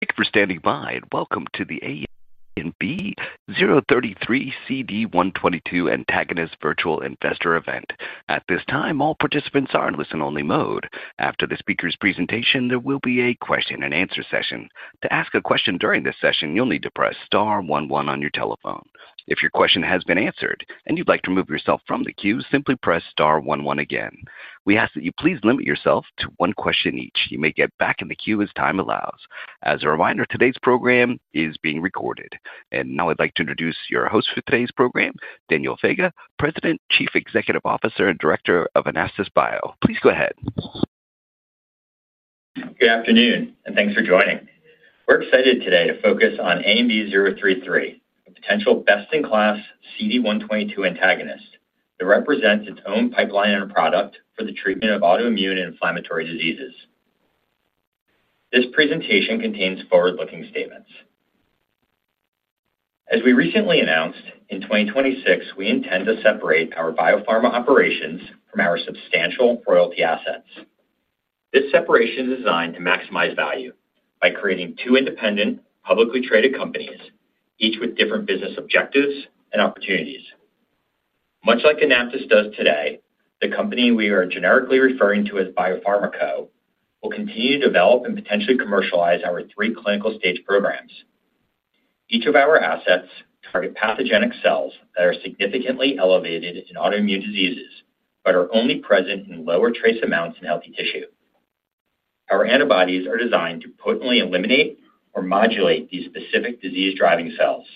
Thank you for standing by and welcome to the ANB033 CD122 Antagonist Virtual Investor Event. At this time, all participants are in listen-only mode. After the speaker's presentation, there will be a question and answer session. To ask a question during this session, you'll need to press star one-one on your telephone. If your question has been answered and you'd like to remove yourself from the queue, simply press star one-one again. We ask that you please limit yourself to one question each. You may get back in the queue as time allows. As a reminder, today's program is being recorded. And now I'd like to introduce your host for today's program, Daniel Faga, President, Chief Executive Officer, and Director of AnaptysBio. Please go ahead. Good afternoon and thanks for joining. We're excited today to focus on ANB033, a potential best-in-class CD122 antagonist that represents its own pipeline and product for the treatment of autoimmune and inflammatory diseases. This presentation contains forward-looking statements. As we recently announced, in 2026, we intend to separate our biopharma operations from our substantial royalty assets. This separation is designed to maximize value by creating two independent, publicly traded companies, each with different business objectives and opportunities. Much like AnaptysBio does today, the company we are generically referring to as BiopharmaCo will continue to develop and potentially commercialize our three clinical stage programs. Each of our assets targets pathogenic cells that are significantly elevated in autoimmune diseases but are only present in lower trace amounts in healthy tissue. Our antibodies are designed to potently eliminate or modulate these specific disease-driving cells.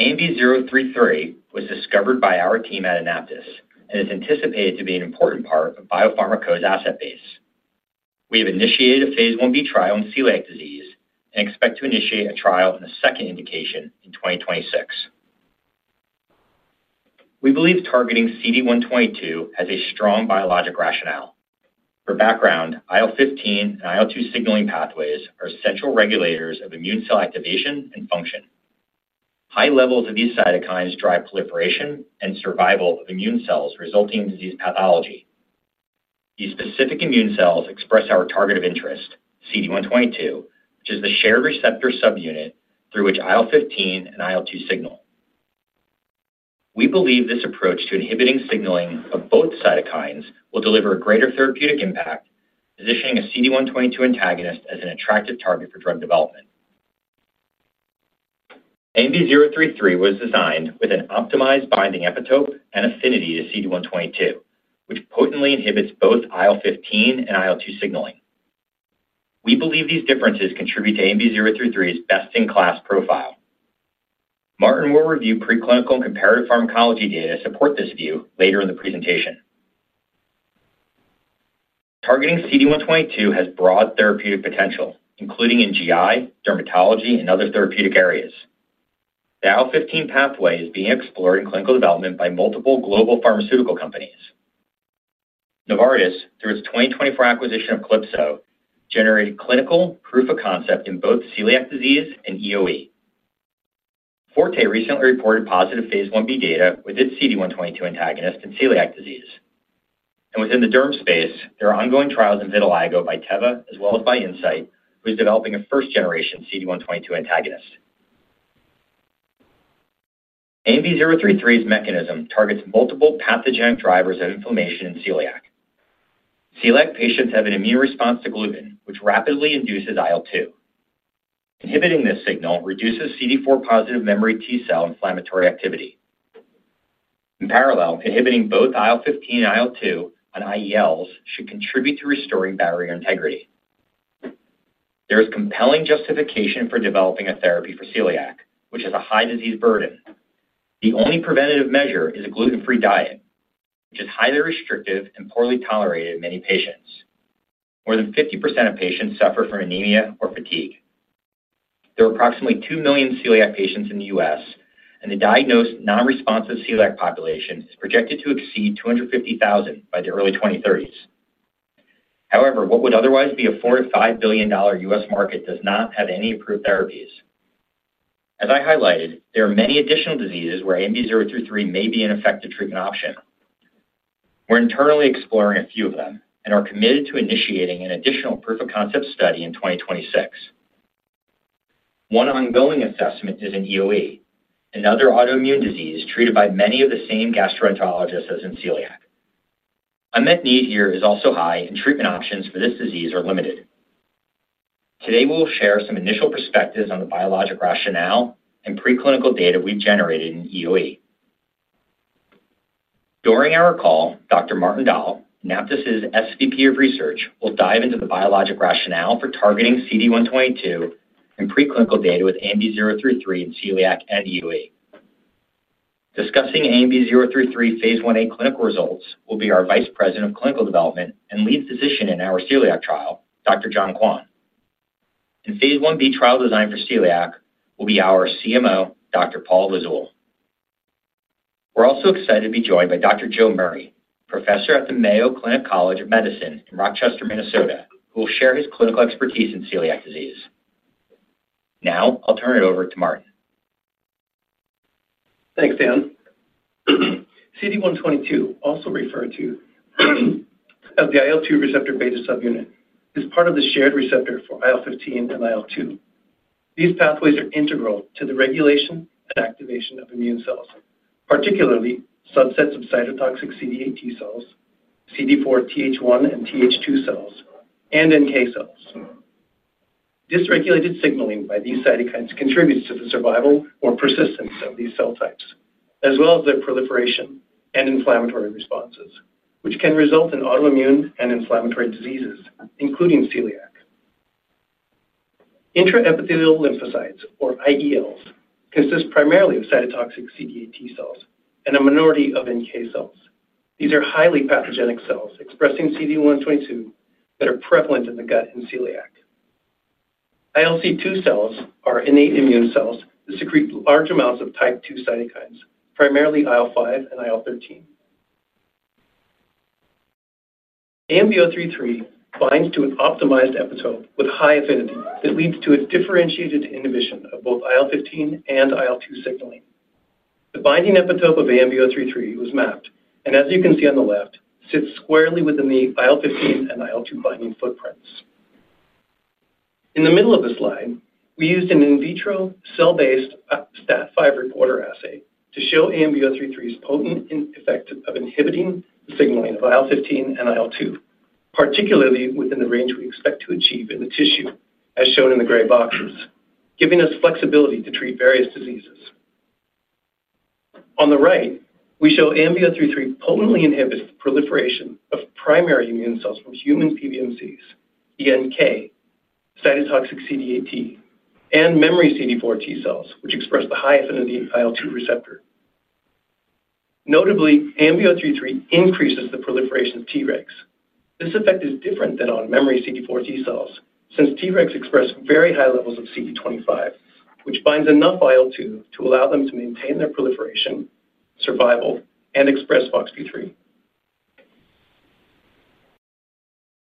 ANB033 was discovered by our team at AnaptysBio and is anticipated to be an important part of BiopharmaCo's asset base. We have initiated a phase 1B trial in celiac disease and expect to initiate a trial in a second indication in 2026. We believe targeting CD122 has a strong biologic rationale. For background, IL-15 and IL-2 signaling pathways are essential regulators of immune cell activation and function. High levels of these cytokines drive proliferation and survival of immune cells, resulting in disease pathology. These specific immune cells express our target of interest, CD122, which is the shared receptor subunit through which IL-15 and IL-2 signal. We believe this approach to inhibiting signaling of both cytokines will deliver a greater therapeutic impact, positioning a CD122 antagonist as an attractive target for drug development. ANB033 was designed with an optimized binding epitope and affinity to CD122, which potently inhibits both IL-15 and IL-2 signaling. We believe these differences contribute to ANB033's best-in-class profile. Martin will review preclinical and comparative pharmacology data to support this view later in the presentation. Targeting CD122 has broad therapeutic potential, including in GI, dermatology, and other therapeutic areas. The IL-15 pathway is being explored in clinical development by multiple global pharmaceutical companies. Novartis, through its 2024 acquisition of Clipso, generated clinical proof of concept in both celiac disease and eosinophilic esophagitis (EOE). Forte recently reported positive phase 1B data with its CD122 antagonist in celiac disease. Within the derm space, there are ongoing trials in vitiligo by Teva, as well as by Incyte, who is developing a first-generation CD122 antagonist. ANB033's mechanism targets multiple pathogenic drivers of inflammation in celiac. Celiac patients have an immune response to gluten, which rapidly induces IL-2. Inhibiting this signal reduces CD4+ memory T cell inflammatory activity. In parallel, inhibiting both IL-15 and IL-2 on intraepithelial lymphocytes should contribute to restoring barrier integrity. There is compelling justification for developing a therapy for celiac, which has a high disease burden. The only preventative measure is a gluten-free diet, which is highly restrictive and poorly tolerated in many patients. More than 50% of patients suffer from anemia or fatigue. There are approximately 2 million celiac patients in the U.S., and the diagnosed nonresponsive celiac population is projected to exceed 250,000 by the early 2030s. However, what would otherwise be a $4-$5 billion U.S. market does not have any approved therapies. As I highlighted, there are many additional diseases where ANB033 may be an effective treatment option. We're internally exploring a few of them and are committed to initiating an additional proof of concept study in 2026. One ongoing assessment is in EOE, another autoimmune disease treated by many of the same gastroenterologists as in celiac. Unmet need here is also high, and treatment options for this disease are limited. Today, we'll share some initial perspectives on the biologic rationale and preclinical data we've generated in EOE. During our call, Dr. Martin Dahl, AnaptysBio's Senior Vice President of Research, will dive into the biologic rationale for targeting CD122 and preclinical data with ANB033 in celiac and EOE. Discussing ANB033 phase 1A clinical results will be our Vice President of Clinical Development and lead physician in our celiac trial, Dr. John Kwan. Phase 1B trial design for celiac will be our Chief Medical Officer, Dr. Paul Lizzul. We're also excited to be joined by Dr. Joe Murray, Professor at the Mayo Clinic College of Medicine in Rochester, Minnesota, who will share his clinical expertise in celiac disease. Now, I'll turn it over to Martin. Thanks, Dan. CD122, also referred to as the IL-2 receptor beta subunit, is part of the shared receptor for IL-15 and IL-2. These pathways are integral to the regulation and activation of immune cells, particularly subsets of cytotoxic CD8+ T cells, CD4+ TH1 and TH2 cells, and NK cells. Dysregulated signaling by these cytokines contributes to the survival or persistence of these cell types, as well as their proliferation and inflammatory responses, which can result in autoimmune and inflammatory diseases, including celiac. Intraepithelial lymphocytes, or IELs, consist primarily of cytotoxic CD8+ T cells and a minority of NK cells. These are highly pathogenic cells expressing CD122 that are prevalent in the gut and celiac. ILC2s are innate immune cells that secrete large amounts of type II cytokines, primarily IL-5 and IL-13. ANB033 binds to an optimized epitope with high affinity that leads to a differentiated inhibition of both IL-15 and IL-2 signaling. The binding epitope of ANB033 was mapped, and as you can see on the left, sits squarely within the IL-15 and IL-2 binding footprints. In the middle of the slide, we used an in vitro cell-based STAT5 reporter assay to show ANB033's potent effect of inhibiting the signaling of IL-15 and IL-2, particularly within the range we expect to achieve in the tissue, as shown in the gray boxes, giving us flexibility to treat various diseases. On the right, we show ANB033 potently inhibits the proliferation of primary immune cells from human PBMCs, NK, cytotoxic CD8+ T, and memory CD4+ T cells, which express the high affinity IL-2 receptor. Notably, ANB033 increases the proliferation of Tregs. This effect is different than on memory CD4+ T cells since Tregs express very high levels of CD25, which binds enough IL-2 to allow them to maintain their proliferation, survival, and express FOXP3.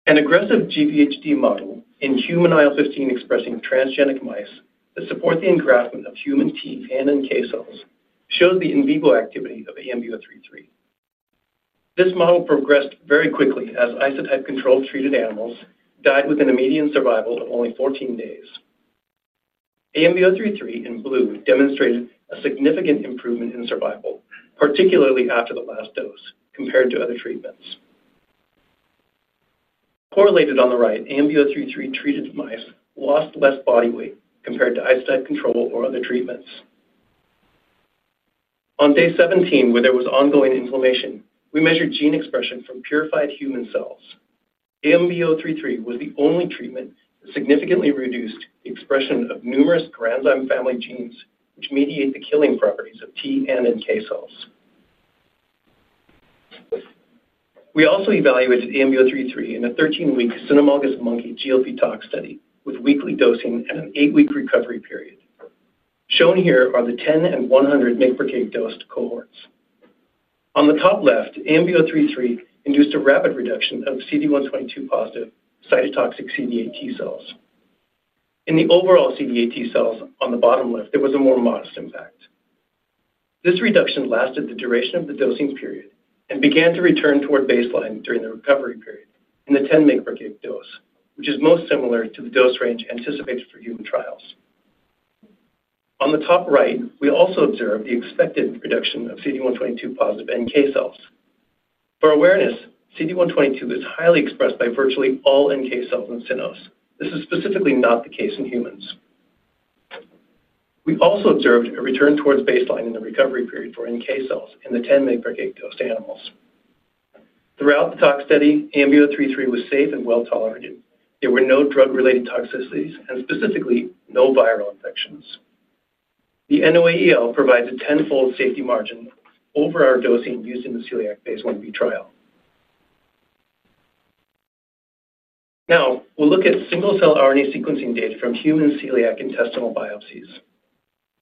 An aggressive GVHD model in human IL-15 expressing transgenic mice that support the engraftment of human T and NK cells shows the in vivo activity of ANB033. This model progressed very quickly as isotype-control treated animals died within a median survival of only 14 days. ANB033 in blue demonstrated a significant improvement in survival, particularly after the last dose, compared to other treatments. Correlated on the right, ANB033 treated mice lost less body weight compared to isotype control or other treatments. On day 17, where there was ongoing inflammation, we measured gene expression from purified human cells. ANB033 was the only treatment that significantly reduced the expression of numerous granzyme-family genes, which mediate the killing properties of T and NK cells. We also evaluated ANB033 in a 13-week cynomolgus monkey GLP-Tox study with weekly dosing and an eight-week recovery period. Shown here are the 10 and 100 mg/kg dosed cohorts. On the top left, ANB033 induced a rapid reduction of CD122-positive cytotoxic CD8+ T cells. In the overall CD8+ T cells on the bottom left, there was a more modest impact. This reduction lasted the duration of the dosing period and began to return toward baseline during the recovery period in the 10 mg/kg dose, which is most similar to the dose range anticipated for human trials. On the top right, we also observed the expected reduction of CD122-positive NK cells. For awareness, CD122 is highly expressed by virtually all NK cells in the cynomolgus. This is specifically not the case in humans. We also observed a return towards baseline in the recovery period for NK cells in the 10 mg/kg dosed animals. Throughout the tox study, ANB033 was safe and well tolerated. There were no drug-related toxicities and specifically no viral infections. The NOAEL provides a tenfold safety margin over our dosing used in the celiac phase 1B trial. Now, we'll look at single-cell RNA sequencing data from human celiac intestinal biopsies.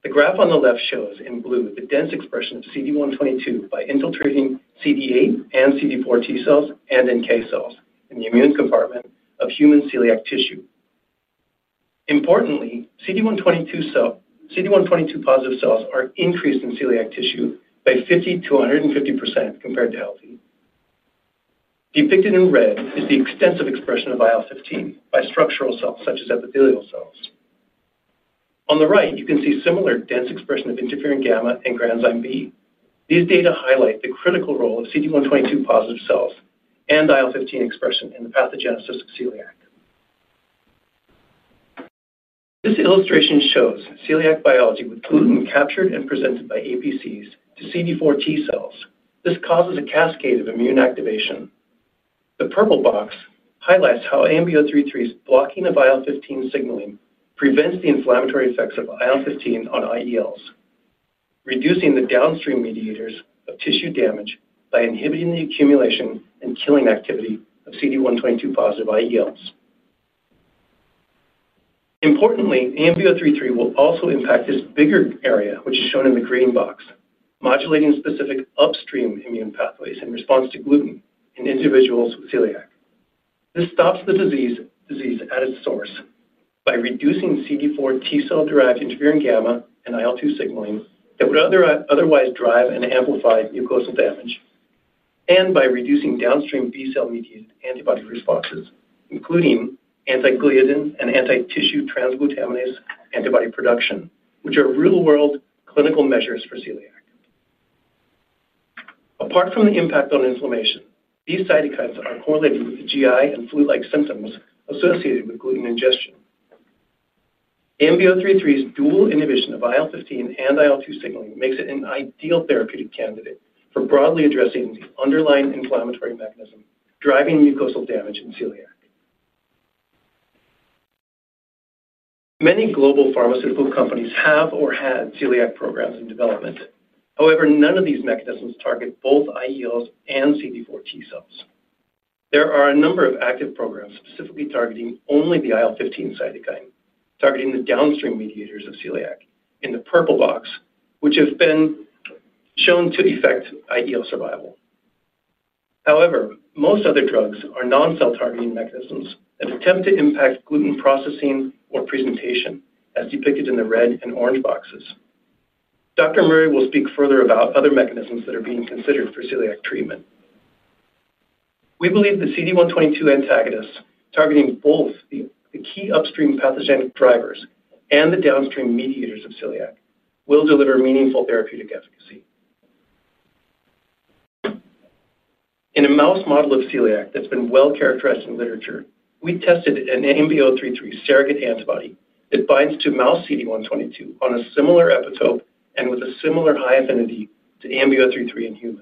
The graph on the left shows in blue the dense expression of CD122 by infiltrating CD8+ and CD4+ T cells and NK cells in the immune compartment of human celiac tissue. Importantly, CD122-positive cells are increased in celiac tissue by 50% to 150% compared to healthy. Depicted in red is the extensive expression of IL-15 by structural cells such as epithelial cells. On the right, you can see similar dense expression of interferon gamma and granzyme B. These data highlight the critical role of CD122-positive cells and IL-15 expression in the pathogenesis of celiac. This illustration shows celiac biology with gluten captured and presented by APCs to CD4+ T cells. This causes a cascade of immune activation. The purple box highlights how ANB033's blocking of IL-15 signaling prevents the inflammatory effects of IL-15 on IELs, reducing the downstream mediators of tissue damage by inhibiting the accumulation and killing activity of CD122-positive IELs. Importantly, ANB033 will also impact this bigger area, which is shown in the green box, modulating specific upstream immune pathways in response to gluten in individuals with celiac. This stops the disease at its source by reducing CD4+ T cell-derived interferon gamma and IL-2 signaling that would otherwise drive and amplify mucosal damage and by reducing downstream B cell-mediated antibody responses, including anti-gliadin and anti-tissue transglutaminase antibody production, which are real-world clinical measures for celiac. Apart from the impact on inflammation, these cytokines are correlated with the GI and flu-like symptoms associated with gluten ingestion. ANB033's dual inhibition of IL-15 and IL-2 signaling makes it an ideal therapeutic candidate for broadly addressing the underlying inflammatory mechanism driving mucosal damage in celiac. Many global pharmaceutical companies have or had celiac programs in development. However, none of these mechanisms target both IELs and CD4+ T cells. There are a number of active programs specifically targeting only the IL-15 cytokine, targeting the downstream mediators of celiac in the purple box, which have been shown to affect IEL survival. However, most other drugs are non-cell targeting mechanisms that attempt to impact gluten processing or presentation, as depicted in the red and orange boxes. Dr. Murray will speak further about other mechanisms that are being considered for celiac treatment. We believe the CD122 antagonist targeting both the key upstream pathogenic drivers and the downstream mediators of celiac will deliver meaningful therapeutic efficacy. In a mouse model of celiac that's been well characterized in literature, we tested an ANB033 surrogate antibody that binds to mouse CD122 on a similar epitope and with a similar high affinity to ANB033 in humans.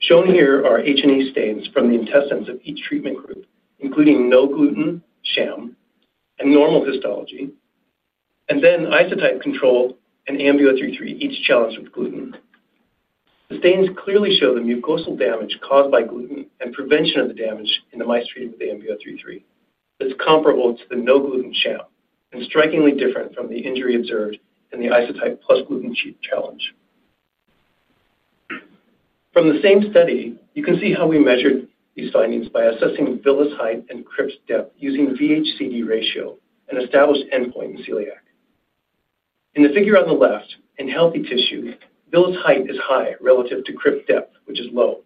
Shown here are H and E stains from the intestines of each treatment group, including no gluten, sham, and normal histology, and then isotype control and ANB033 each challenged with gluten. The stains clearly show the mucosal damage caused by gluten and prevention of the damage in the mice treated with ANB033. It's comparable to the no gluten sham and strikingly different from the injury observed in the isotype plus gluten challenge. From the same study, you can see how we measured these findings by assessing villus height and crypt depth using the VH:CD ratio, an established endpoint in celiac. In the figure on the left, in healthy tissue, villus height is high relative to crypt depth, which is low.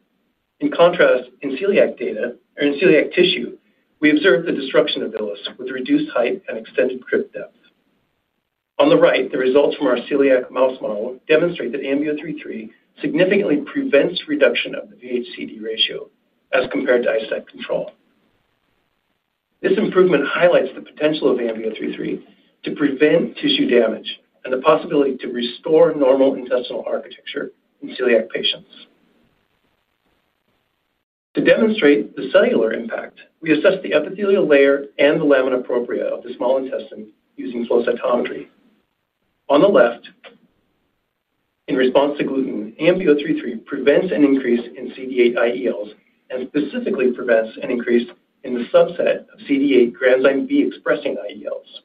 In contrast, in celiac data or in celiac tissue, we observed the destruction of villus with reduced height and extended crypt depth. On the right, the results from our celiac mouse model demonstrate that ANB033 significantly prevents reduction of the VH:CD ratio as compared to isotype control. This improvement highlights the potential of ANB033 to prevent tissue damage and the possibility to restore normal intestinal architecture in celiac patients. To demonstrate the cellular impact, we assessed the epithelial layer and the lamina propria of the small intestine using flow cytometry. On the left, in response to gluten, ANB033 prevents an increase in CD8 IELs and specifically prevents an increase in the subset of CD8 granzyme B expressing IELs.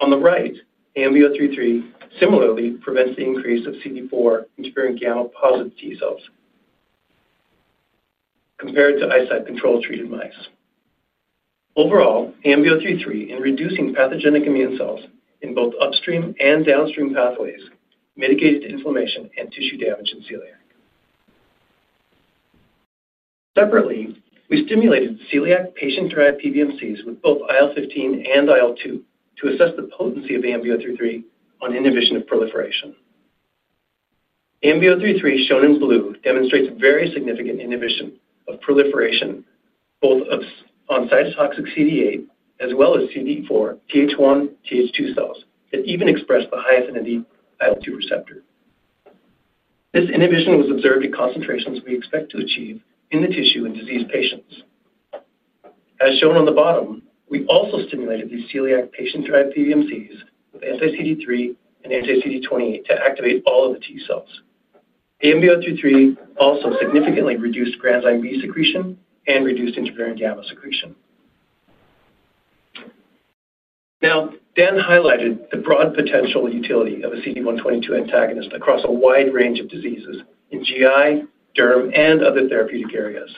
On the right, ANB033 similarly prevents the increase of CD4 interferon gamma-positive T cells compared to isotype control treated mice. Overall, ANB033, in reducing pathogenic immune cells in both upstream and downstream pathways, mitigated inflammation and tissue damage in celiac. Separately, we stimulated celiac patient-derived PBMCs with both IL-15 and IL-2 to assess the potency of ANB033 on inhibition of proliferation. ANB033, shown in blue, demonstrates very significant inhibition of proliferation both on cytotoxic CD8 as well as CD4 TH1 and TH2 cells that even express the high affinity IL-2 receptor. This inhibition was observed in concentrations we expect to achieve in the tissue in diseased patients. As shown on the bottom, we also stimulated these celiac patient-derived PBMCs with anti-CD3 and anti-CD28 to activate all of the T cells. ANB033 also significantly reduced granzyme B secretion and reduced interferon gamma secretion. Now, Dan highlighted the broad potential utility of a CD122 antagonist across a wide range of diseases in GI, derm, and other therapeutic areas.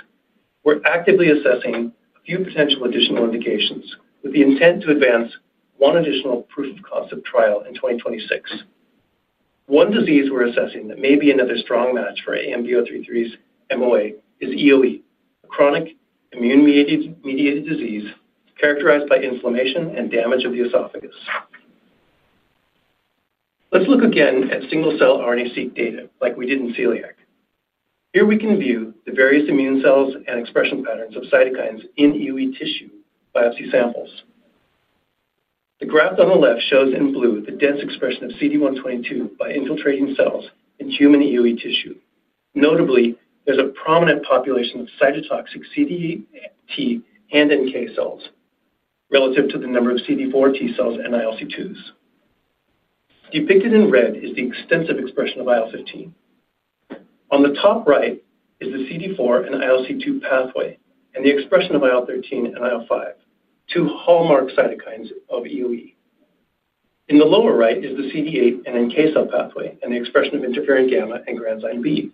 We're actively assessing a few potential additional indications with the intent to advance one additional proof of concept trial in 2026. One disease we're assessing that may be another strong match for ANB033's MOA is eosinophilic esophagitis (EOE), a chronic immune-mediated disease characterized by inflammation and damage of the esophagus. Let's look again at single-cell RNA-seq data like we did in celiac. Here we can view the various immune cells and expression patterns of cytokines in EOE tissue biopsy samples. The graph on the left shows in blue the dense expression of CD122 by infiltrating cells in human eosinophilic esophagitis (EOE) tissue. Notably, there's a prominent population of cytotoxic CD8+ T and NK cells relative to the number of CD4+ T cells and ILC2s. Depicted in red is the extensive expression of IL-15. On the top right is the CD4+ and ILC2 pathway and the expression of IL-13 and IL-5, two hallmark cytokines of EOE. In the lower right is the CD8+ and NK cell pathway and the expression of interferon gamma and granzyme B.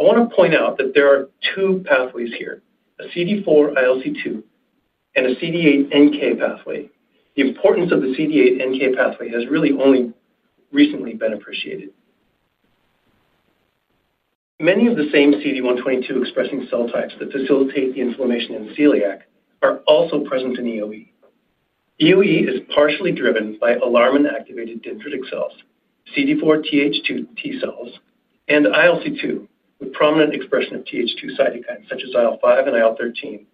I want to point out that there are two pathways here, a CD4+ ILC2 and a CD8+ NK pathway. The importance of the CD8+ NK pathway has really only recently been appreciated. Many of the same CD122-expressing cell types that facilitate the inflammation in celiac are also present in EOE. EOE is partially driven by alarmin-activated dendritic cells, CD4+ TH2 T cells, and ILC2s with prominent expression of TH2 cytokines such as IL-5 and IL-13.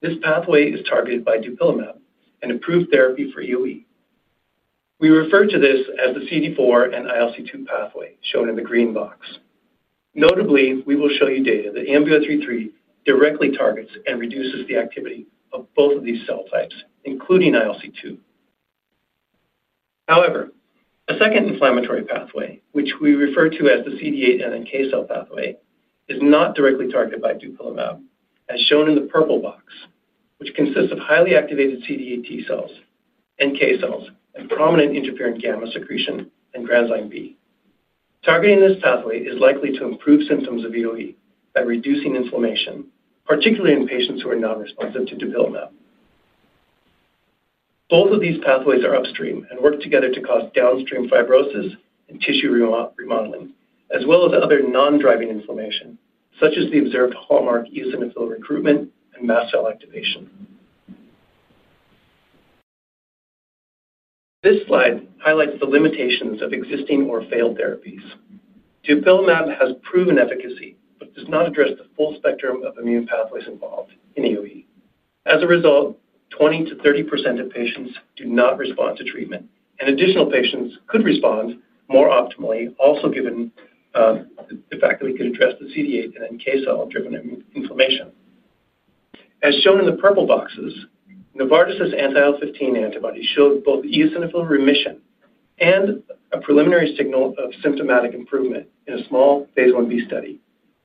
This pathway is targeted by dupilumab, an approved therapy for EOE. We refer to this as the CD4+ and ILC2 pathway, shown in the green box. Notably, we will show you data that ANB033 directly targets and reduces the activity of both of these cell types, including ILC2s. However, a second inflammatory pathway, which we refer to as the CD8+ and NK cell pathway, is not directly targeted by dupilumab, as shown in the purple box, which consists of highly activated CD8+ T cells, NK cells, and prominent interferon gamma secretion and granzyme B. Targeting this pathway is likely to improve symptoms of EOE by reducing inflammation, particularly in patients who are nonresponsive to Dupilumab. Both of these pathways are upstream and work together to cause downstream fibrosis and tissue remodeling, as well as other non-driving inflammation, such as the observed hallmark eosinophil recruitment and mast cell activation. This slide highlights the limitations of existing or failed therapies. Dupilumab has proven efficacy but does not address the full spectrum of immune pathways involved in EOE. As a result, 20%-30% of patients do not respond to treatment, and additional patients could respond more optimally, also given the fact that we could address the CD8+ and NK cell-driven inflammation. As shown in the purple boxes, Novartis's anti-IL-15 antibody showed both eosinophil remission and a preliminary signal of symptomatic improvement in a small phase 1B study,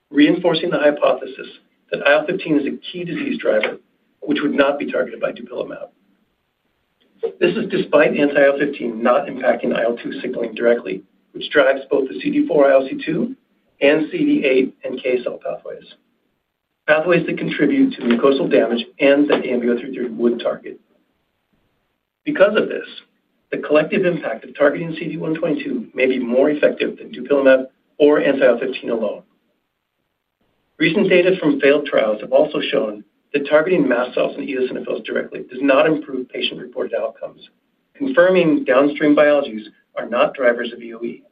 reinforcing the hypothesis that IL-15 is a key disease driver which would not be targeted by dupilumab. This is despite anti-IL-15 not impacting IL-2 signaling directly, which drives both the CD4 ILC2 and CD8 NK cell pathways, pathways that contribute to mucosal damage and that ANB033 would target. Because of this, the collective impact of targeting CD122 may be more effective than Dupilumab or anti-IL-15 alone. Recent data from failed trials have also shown that targeting mast cells and eosinophils directly does not improve patient-reported outcomes, confirming downstream biologies are not drivers of EOE.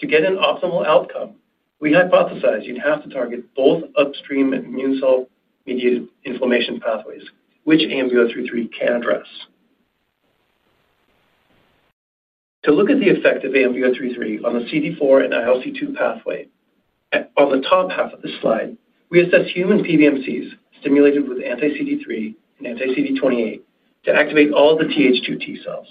To get an optimal outcome, we hypothesize you'd have to target both upstream immune cell-mediated inflammation pathways, which ANB033 can address. To look at the effect of ANB033 on the CD4 and ILC2 pathway, on the top half of this slide, we assess human PBMCs stimulated with anti-CD3 and anti-CD28 to activate all the TH2 T cells.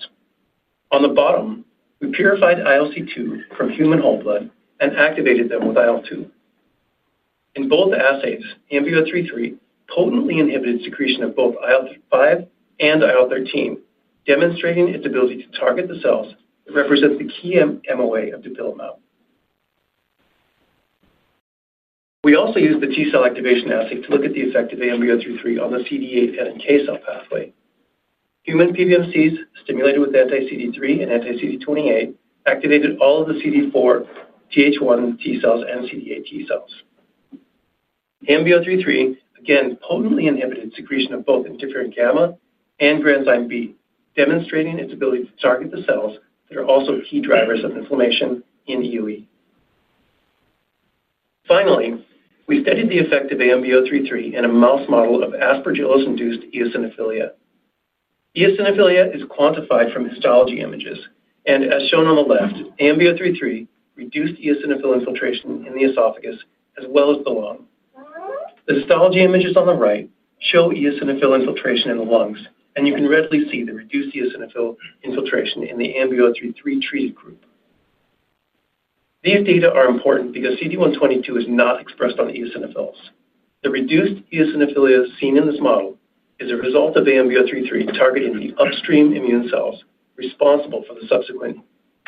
On the bottom, we purified ILC2 from human whole blood and activated them with IL-2. In both assays, ANB033 potently inhibited secretion of both IL-5 and IL-13, demonstrating its ability to target the cells that represent the key MOA of Dupilumab. We also used the T cell activation assay to look at the effect of ANB033 on the CD8 and NK cell pathway. Human PBMCs stimulated with anti-CD3 and anti-CD28 activated all of the CD4 TH1 T cells and CD8 T cells. ANB033 again potently inhibited secretion of both interferon gamma and granzyme B, demonstrating its ability to target the cells that are also key drivers of inflammation in EOE. Finally, we studied the effect of ANB033 in a mouse model of aspergillus-induced eosinophilia. Eosinophilia is quantified from histology images, and as shown on the left, ANB033 reduced eosinophil infiltration in the esophagus as well as the lung. The histology images on the right show eosinophil infiltration in the lungs, and you can readily see the reduced eosinophil infiltration in the ANB033 treated group. These data are important because CD122 is not expressed on eosinophils. The reduced eosinophilia seen in this model is a result of ANB033 targeting the upstream immune cells responsible for the subsequent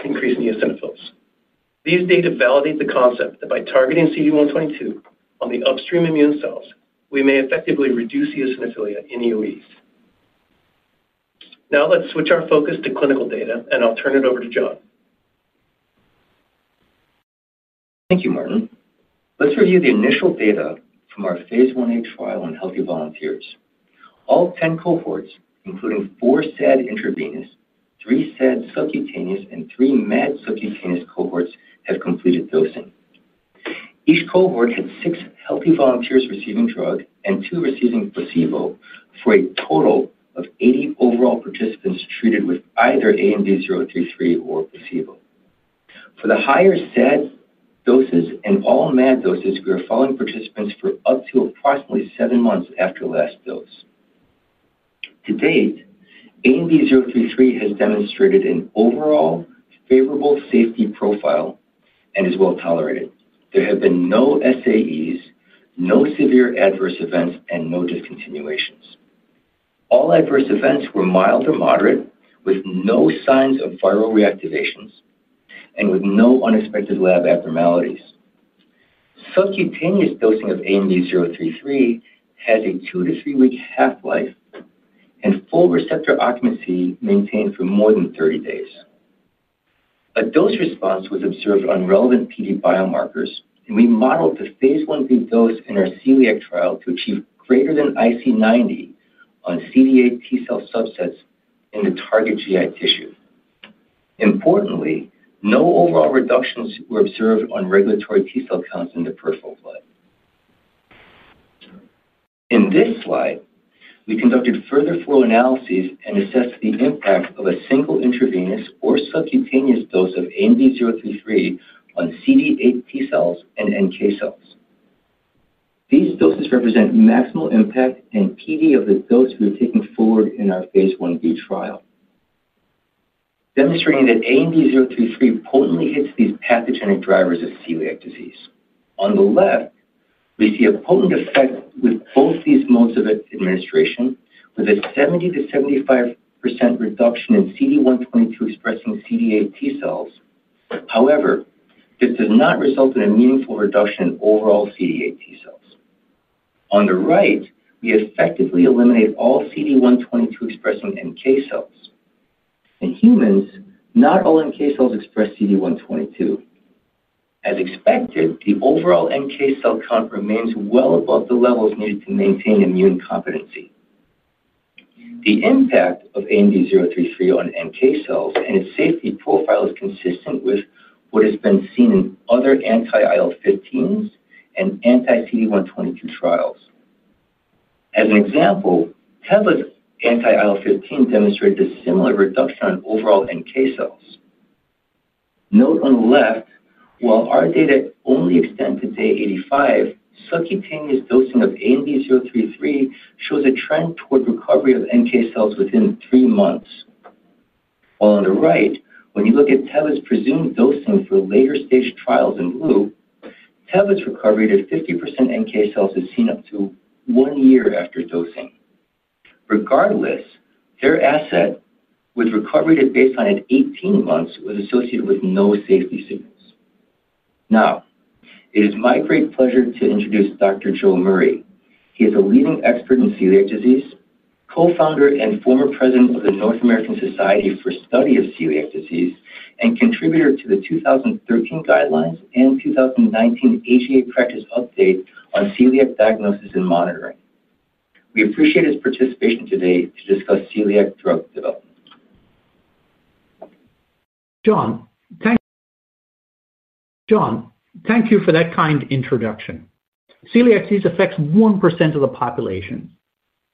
increase in eosinophils. These data validate the concept that by targeting CD122 on the upstream immune cells, we may effectively reduce eosinophilia in EOE. Now let's switch our focus to clinical data, and I'll turn it over to John. Thank you, Martin. Let's review the initial data from our phase 1A trial on healthy volunteers. All 10 cohorts, including four SAD intravenous, three SAD subcutaneous, and three MAD subcutaneous cohorts, have completed dosing. Each cohort had six healthy volunteers receiving drug and two receiving placebo, for a total of 80 overall participants treated with either ANB033 or placebo. For the higher SAD doses and all MAD doses, we are following participants for up to approximately seven months after last dose. To date, ANB033 has demonstrated an overall favorable safety profile and is well tolerated. There have been no SAEs, no severe adverse events, and no discontinuations. All adverse events were mild or moderate, with no signs of viral reactivations and with no unexpected lab abnormalities. Subcutaneous dosing of ANB033 has a two to three-week half-life and full receptor occupancy maintained for more than 30 days. A dose response was observed on relevant PD biomarkers, and we modeled the phase 1B dose in our celiac trial to achieve greater than IC90 on CD8+ T cell subsets in the target GI tissue. Importantly, no overall reductions were observed on regulatory T cell counts in the peripheral blood. In this slide, we conducted further flow analyses and assessed the impact of a single intravenous or subcutaneous dose of ANB033 on CD8+ T cells and NK cells. These doses represent maximal impact and PD of the dose we are taking forward in our phase 1B trial, demonstrating that ANB033 potently hits these pathogenic drivers of celiac disease. On the left, we see a potent effect with both these modes of administration, with a 70%-75% reduction in CD122 expressing CD8+ T cells. However, this does not result in a meaningful reduction in overall CD8+ T cells. On the right, we effectively eliminate all CD122 expressing NK cells. In humans, not all NK cells express CD122. As expected, the overall NK cell count remains well above the levels needed to maintain immune competency. The impact of ANB033 on NK cells and its safety profile is consistent with what has been seen in other anti-IL-15s and anti-CD122 trials. As an example, Teva's anti-IL-15 demonstrated a similar reduction on overall NK cells. Note on the left, while our data only extend to day 85, subcutaneous dosing of ANB033 shows a trend toward recovery of NK cells within three months. While on the right, when you look at Teva's presumed dosing for later-stage trials in blue, Teva's recovery to 50% NK cells is seen up to one year after dosing. Regardless, their asset with recovery to baseline at 18 months was associated with no safety signals. Now, it is my great pleasure to introduce Dr. Joe Murray. He is a leading expert in celiac disease, co-founder and former President of the North American Society for the Study of Celiac Disease, and contributor to the 2013 guidelines and 2019 ADA practice update on celiac diagnosis and monitoring. We appreciate his participation today to discuss celiac drug development. John, thank you for that kind introduction. Celiac disease affects 1% of the population.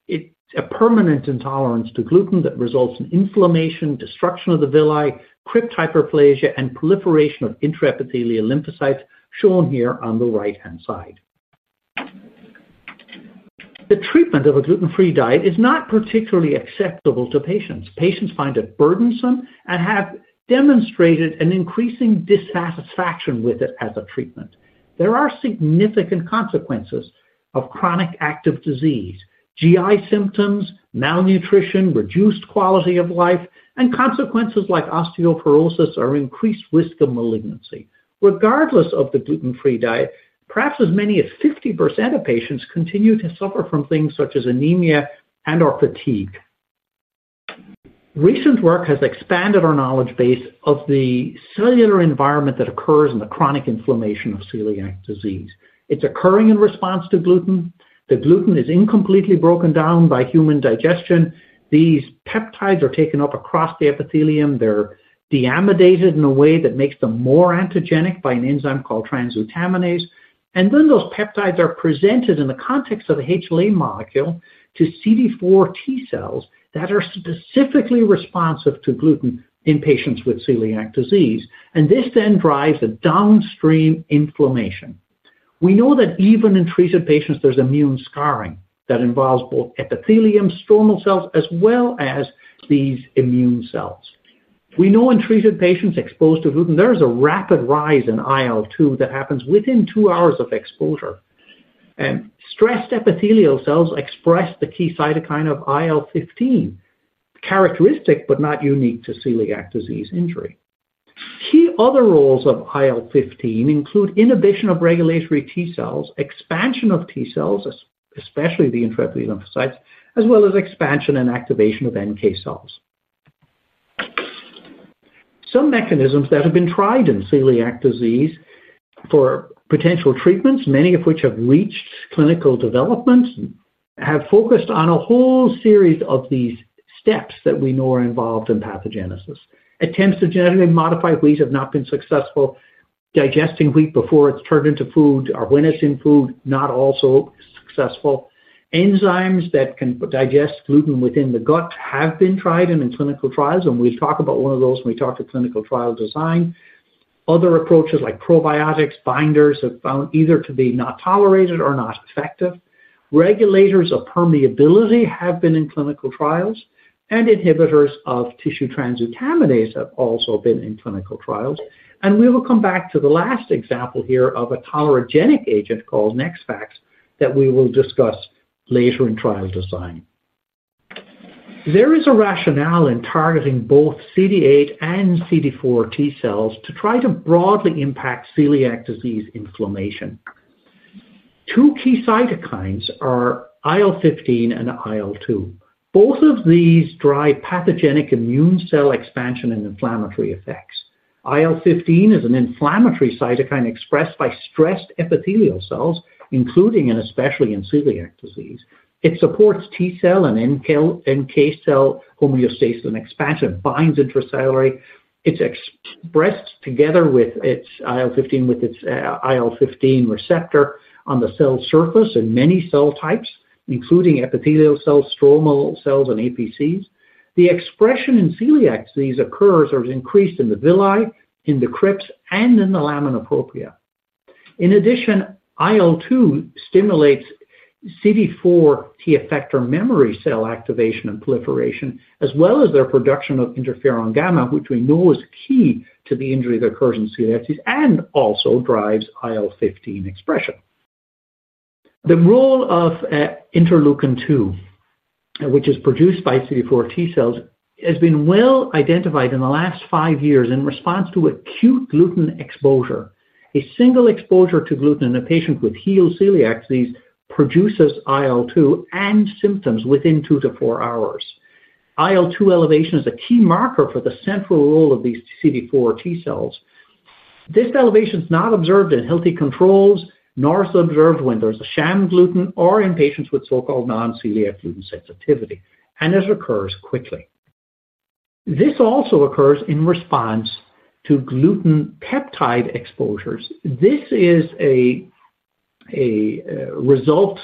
It's a permanent intolerance to gluten that results in inflammation, destruction of the villi, crypt hyperplasia, and proliferation of intraepithelial lymphocytes, shown here on the right-hand side. The treatment of a gluten-free diet is not particularly acceptable to patients. Patients find it burdensome and have demonstrated an increasing dissatisfaction with it as a treatment. There are significant consequences of chronic active disease. GI symptoms, malnutrition, reduced quality of life, and consequences like osteoporosis are an increased risk of malignancy. Regardless of the gluten-free diet, perhaps as many as 50% of patients continue to suffer from things such as anemia and/or fatigue. Recent work has expanded our knowledge base of the cellular environment that occurs in the chronic inflammation of celiac disease. It's occurring in response to gluten. The gluten is incompletely broken down by human digestion. These peptides are taken up across the epithelium. They're deamidated in a way that makes them more antigenic by an enzyme called transglutaminase. Those peptides are presented in the context of a HLA molecule to CD4+ T cells that are specifically responsive to gluten in patients with celiac disease. This then drives a downstream inflammation. We know that even in treated patients, there's immune scarring that involves both epithelium stromal cells as well as these immune cells. We know in treated patients exposed to gluten, there is a rapid rise in IL-2 that happens within two hours of exposure. Stressed epithelial cells express the key cytokine of IL-15, characteristic but not unique to celiac disease injury. Key other roles of IL-15 include inhibition of regulatory T cells, expansion of T cells, especially the intraepithelial lymphocytes, as well as expansion and activation of NK cells. Some mechanisms that have been tried in celiac disease for potential treatments, many of which have reached clinical development, have focused on a whole series of these steps that we know are involved in pathogenesis. Attempts to genetically modify wheat have not been successful. Digesting wheat before it's turned into food or when it's in food, not also successful. Enzymes that can digest gluten within the gut have been tried in clinical trials, and we'll talk about one of those when we talk to clinical trial design. Other approaches like probiotics, binders are found either to be not tolerated or not effective. Regulators of permeability have been in clinical trials, and inhibitors of tissue transglutaminase have also been in clinical trials. We will come back to the last example here of a tolerogenic agent called Nexfax that we will discuss later in trial design. There is a rationale in targeting both CD8+ and CD4+ T cells to try to broadly impact celiac disease inflammation. Two key cytokines are IL-15 and IL-2. Both of these drive pathogenic immune cell expansion and inflammatory effects. IL-15 is an inflammatory cytokine expressed by stressed epithelial cells, including and especially in celiac disease. It supports T cell and NK cell homeostasis and expansion and binds intracellularly. It's expressed together with IL-15 with its IL-15 receptor on the cell surface in many cell types, including epithelial cells, stromal cells, and APCs. The expression in celiac disease occurs or is increased in the villi, in the crypts, and in the lamina propria. In addition, IL-2 stimulates CD4+ T effector memory cell activation and proliferation, as well as their production of interferon gamma, which we know is key to the injury that occurs in celiac disease and also drives IL-15 expression. The role of IL-2, which is produced by CD4+ T cells, has been well identified in the last five years in response to acute gluten exposure. A single exposure to gluten in a patient with healed celiac disease produces IL-2 and symptoms within two to four hours. IL-2 elevation is a key marker for the central role of these CD4+ T cells. This elevation is not observed in healthy controls, nor is it observed when there's a sham gluten or in patients with so-called non-celiac gluten sensitivity, and it occurs quickly. This also occurs in response to gluten peptide exposures. This is a result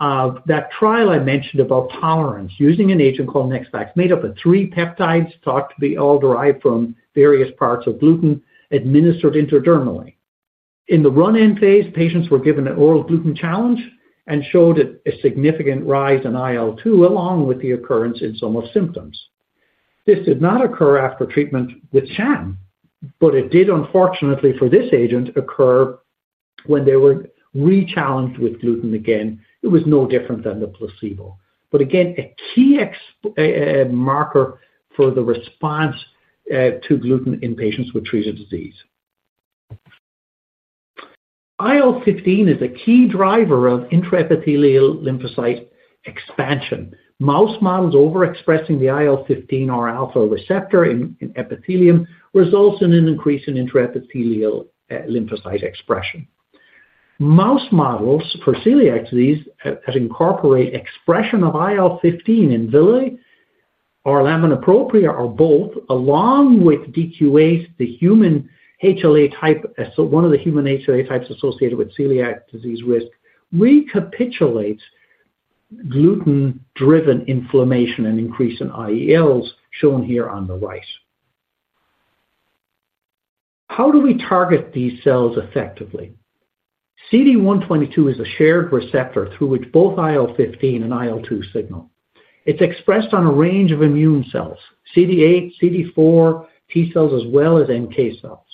of that trial I mentioned about tolerance using an agent called Nexfax, made up of three peptides thought to be all derived from various parts of gluten, administered intradermally. In the run-in phase, patients were given an oral gluten challenge and showed a significant rise in IL-2, along with the occurrence in some of the symptoms. This did not occur after treatment with sham, but it did, unfortunately, for this agent, occur when they were re-challenged with gluten again. It was no different than the placebo. Again, a key marker for the response to gluten in patients with treated disease. IL-15 is a key driver of intraepithelial lymphocyte expansion. Mouse models overexpressing the IL-15 R-alpha receptor in epithelium result in an increase in intraepithelial lymphocyte expression. Mouse models for celiac disease that incorporate expression of IL-15 in villi or lamina propria or both, along with DQ8, the human HLA type, one of the human HLA types associated with celiac disease risk, recapitulates gluten-driven inflammation and increase in IELs, shown here on the right. How do we target these cells effectively? CD122 is a shared receptor through which both IL-15 and IL-2 signal. It's expressed on a range of immune cells: CD8, CD4+ T cells, as well as NK cells.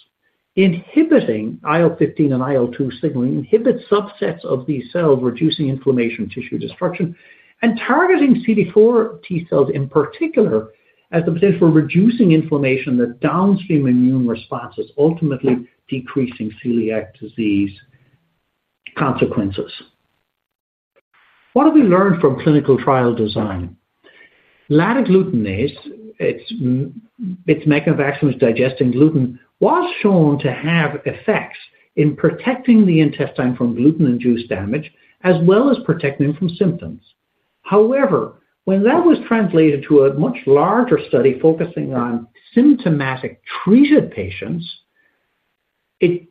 Inhibiting IL-15 and IL-2 signaling inhibits subsets of these cells, reducing inflammation and tissue destruction, and targeting CD4+ T cells in particular has the potential for reducing inflammation that downstream immune responses, ultimately decreasing celiac disease consequences. What have we learned from clinical trial design? Latiglutenase, its mechanism of action was digesting gluten, was shown to have effects in protecting the intestine from gluten-induced damage, as well as protecting them from symptoms. However, when that was translated to a much larger study focusing on symptomatic treated patients, it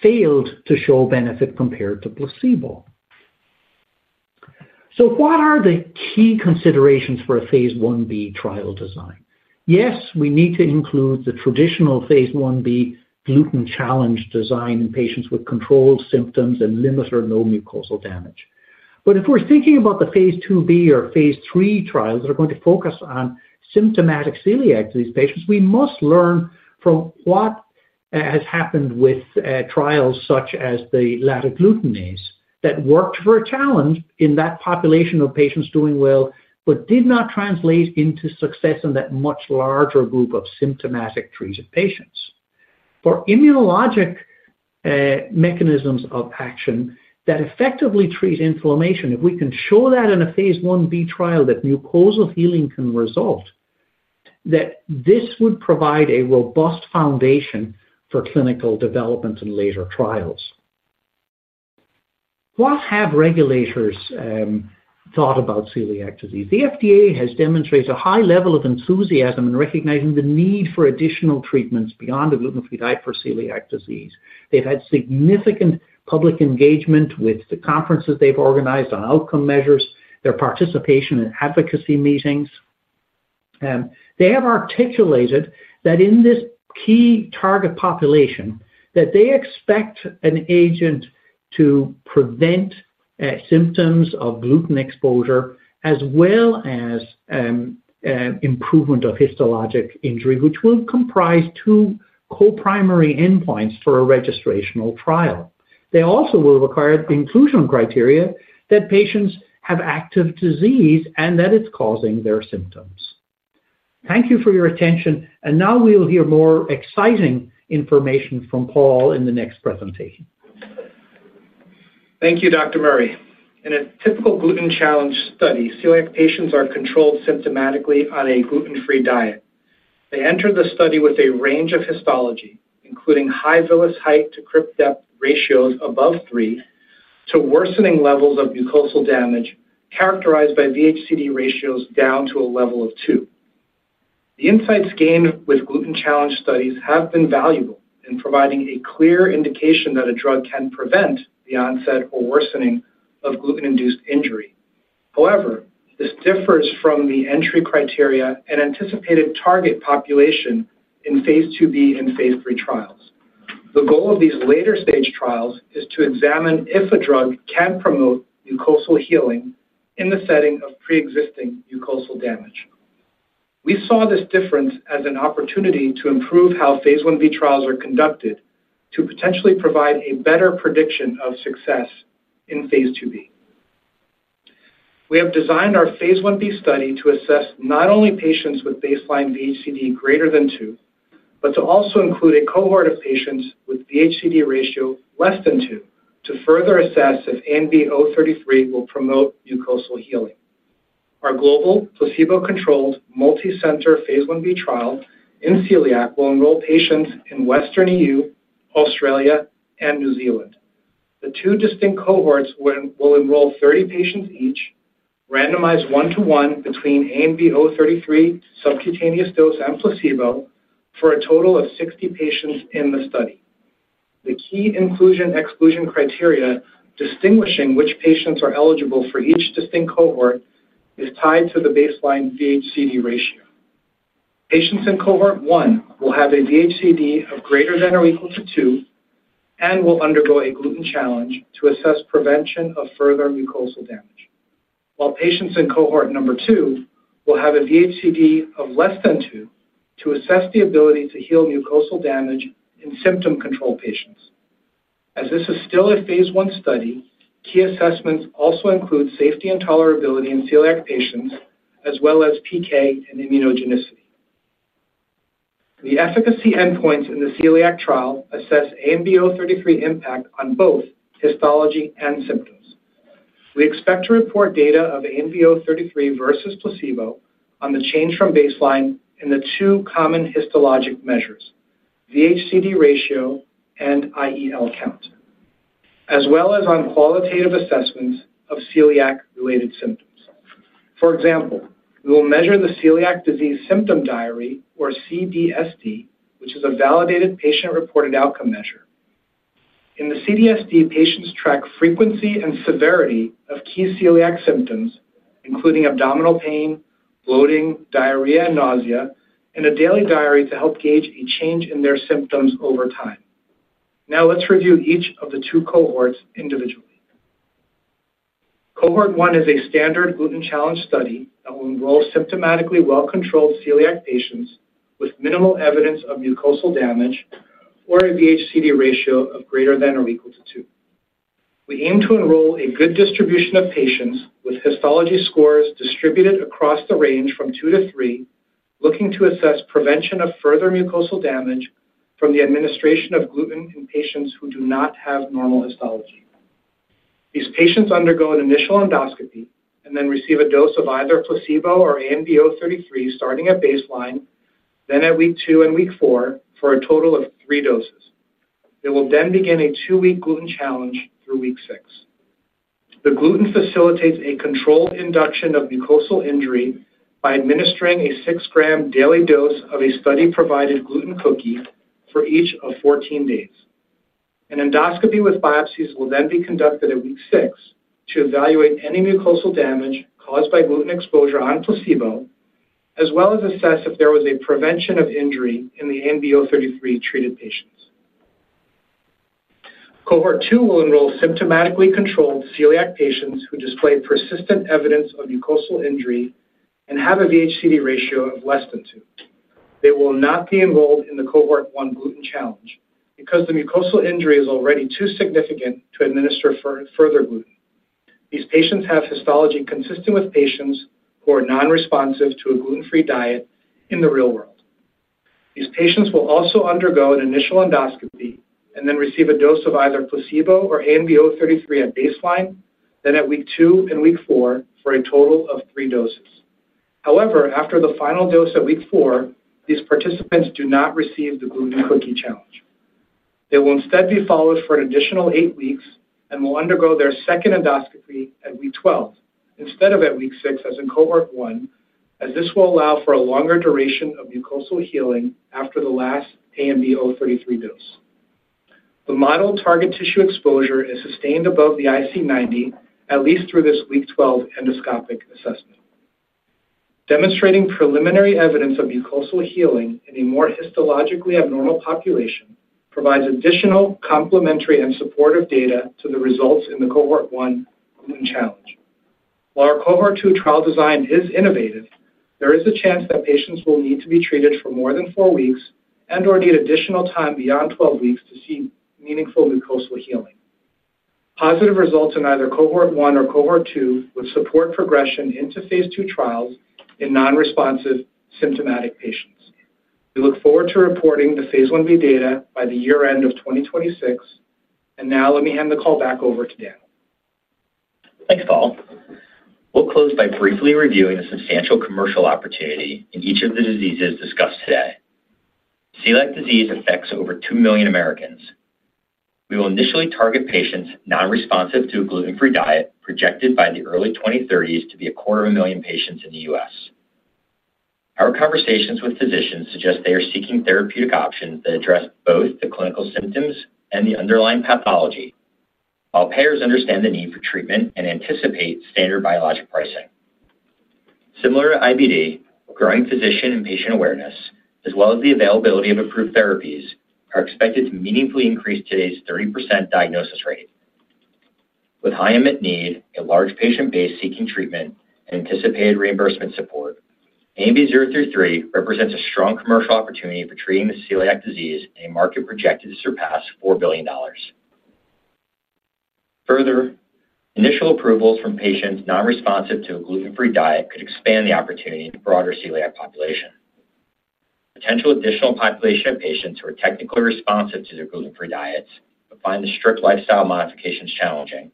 failed to show benefit compared to placebo. What are the key considerations for a phase 1B trial design? Yes we need to include the traditional phase 1B gluten challenge design in patients with controlled symptoms and limited or no mucosal damage. If we're thinking about the phase 2B or phase 3 trials that are going to focus on symptomatic celiac disease patients, we must learn from what has happened with trials such as the latiglutenase that worked for a challenge in that population of patients doing well but did not translate into success in that much larger group of symptomatic treated patients. For immunologic mechanisms of action that effectively treat inflammation, if we can show that in a phase 1B trial that mucosal healing can result, this would provide a robust foundation for clinical development and later trials. What have regulators thought about celiac disease? The FDA has demonstrated a high level of enthusiasm in recognizing the need for additional treatments beyond the gluten-free diet for celiac disease. They've had significant public engagement with the conferences they've organized on outcome measures, their participation in advocacy meetings. They have articulated that in this key target population, they expect an agent to prevent symptoms of gluten exposure, as well as improvement of histologic injury, which will comprise two co-primary endpoints for a registrational trial. They also will require inclusion criteria that patients have active disease and that it's causing their symptoms. Thank you for your attention. Now we'll hear more exciting information from Paul in the next presentation. Thank you, Dr. Murray. In a typical gluten challenge study, celiac patients are controlled symptomatically on a gluten-free diet. They enter the study with a range of histology, including high villous height to crypt depth ratios above three to worsening levels of mucosal damage characterized by VH:CD ratios down to a level of two. The insights gained with gluten challenge studies have been valuable in providing a clear indication that a drug can prevent the onset or worsening of gluten-induced injury. However, this differs from the entry criteria and anticipated target population in phase 2B and phase three trials. The goal of these later-stage trials is to examine if a drug can promote mucosal healing in the setting of preexisting mucosal damage. We saw this difference as an opportunity to improve how phase 1B trials are conducted to potentially provide a better prediction of success in phase 2B. We have designed our phase 1B study to assess not only patients with baseline VH:CD greater than two, but to also include a cohort of patients with VH:CD ratio less than two to further assess if ANB033 will promote mucosal healing. Our global placebo-controlled multicenter phase 1B trial in celiac will enroll patients in Western Europe, Australia, and New Zealand. The two distinct cohorts will enroll 30 patients each, randomize one to one between ANB033 subcutaneous dose and placebo for a total of 60 patients in the study. The key inclusion/exclusion criteria distinguishing which patients are eligible for each distinct cohort is tied to the baseline VH:CD ratio. Patients in cohort one will have a VH:CD of greater than or equal to two and will undergo a gluten challenge to assess prevention of further mucosal damage, while patients in cohort number two will have a VH:CD of less than two to assess the ability to heal mucosal damage in symptom control patients. As this is still a phase one study, key assessments also include safety and tolerability in celiac patients, as well as PK and immunogenicity. The efficacy endpoints in the celiac trial assess ANB033 impact on both histology and symptoms. We expect to report data of ANB033 versus placebo on the change from baseline in the two common histologic measures, VH:CD ratio and intraepithelial lymphocyte count, as well as on qualitative assessments of celiac-related symptoms. For example, we will measure the Celiac Disease Symptom Diary, or CDSD, which is a validated patient-reported outcome measure. In the CDSD, patients track frequency and severity of key celiac symptoms, including abdominal pain, bloating, diarrhea, and nausea, in a daily diary to help gauge a change in their symptoms over time. Now let's review each of the two cohorts individually. Cohort one is a standard gluten challenge study that will enroll symptomatically well-controlled celiac patients with minimal evidence of mucosal damage or a VH:CD ratio of greater than or equal to two. We aim to enroll a good distribution of patients with histology scores distributed across the range from two to three, looking to assess prevention of further mucosal damage from the administration of gluten in patients who do not have normal histology. These patients undergo an initial endoscopy and then receive a dose of either placebo or ANB033 starting at baseline, then at week two and week four for a total of three doses. They will then begin a two-week gluten challenge through week six. The gluten facilitates a controlled induction of mucosal injury by administering a six-gram daily dose of a study-provided gluten cookie for each of 14 days. An endoscopy with biopsies will then be conducted at week six to evaluate any mucosal damage caused by gluten exposure on placebo, as well as assess if there was a prevention of injury in the ANB033 treated patients. Cohort two will enroll symptomatically controlled celiac patients who display persistent evidence of mucosal injury and have a VH:CD ratio of less than two. They will not be enrolled in the cohort one gluten challenge because the mucosal injury is already too significant to administer further gluten. These patients have histology consistent with patients who are nonresponsive to a gluten-free diet in the real world. These patients will also undergo an initial endoscopy and then receive a dose of either placebo or ANB033 at baseline, then at week two and week four for a total of three doses. However, after the final dose at week four, these participants do not receive the gluten cookie challenge. They will instead be followed for an additional eight weeks and will undergo their second endoscopy at week 12 instead of at week six, as in cohort one, as this will allow for a longer duration of mucosal healing after the last ANB033 dose. The model target tissue exposure is sustained above the IC90, at least through this week 12 endoscopic assessment. Demonstrating preliminary evidence of mucosal healing in a more histologically abnormal population provides additional complementary and supportive data to the results in the cohort one gluten challenge. While our cohort two trial design is innovative, there is a chance that patients will need to be treated for more than four weeks and/or need additional time beyond 12 weeks to see meaningful mucosal healing. Positive results in either cohort one or cohort two would support progression into phase two trials in nonresponsive symptomatic patients. We look forward to reporting the phase 1B data by the year-end of 2026. And now let me hand the call back over to Dan. Thanks, Paul. We'll close by briefly reviewing a substantial commercial opportunity in each of the diseases discussed today. Celiac disease affects over 2 million Americans. We will initially target patients nonresponsive to a gluten-free diet, projected by the early 2030s to be a quarter of a million patients in the U.S. Our conversations with physicians suggest they are seeking therapeutic options that address both the clinical symptoms and the underlying pathology, while payers understand the need for treatment and anticipate standard biologic pricing. Similar to IBD, growing physician and patient awareness, as well as the availability of approved therapies, are expected to meaningfully increase today's 30% diagnosis rate. With high unmet need, a large patient base seeking treatment, and anticipated reimbursement support, ANB033 represents a strong commercial opportunity for treating celiac disease in a market projected to surpass $4 billion. Further, initial approvals for patients nonresponsive to a gluten-free diet could expand the opportunity to the broader celiac population. Potential additional population of patients who are technically responsive to their gluten-free diets but find the strict lifestyle modifications challenging,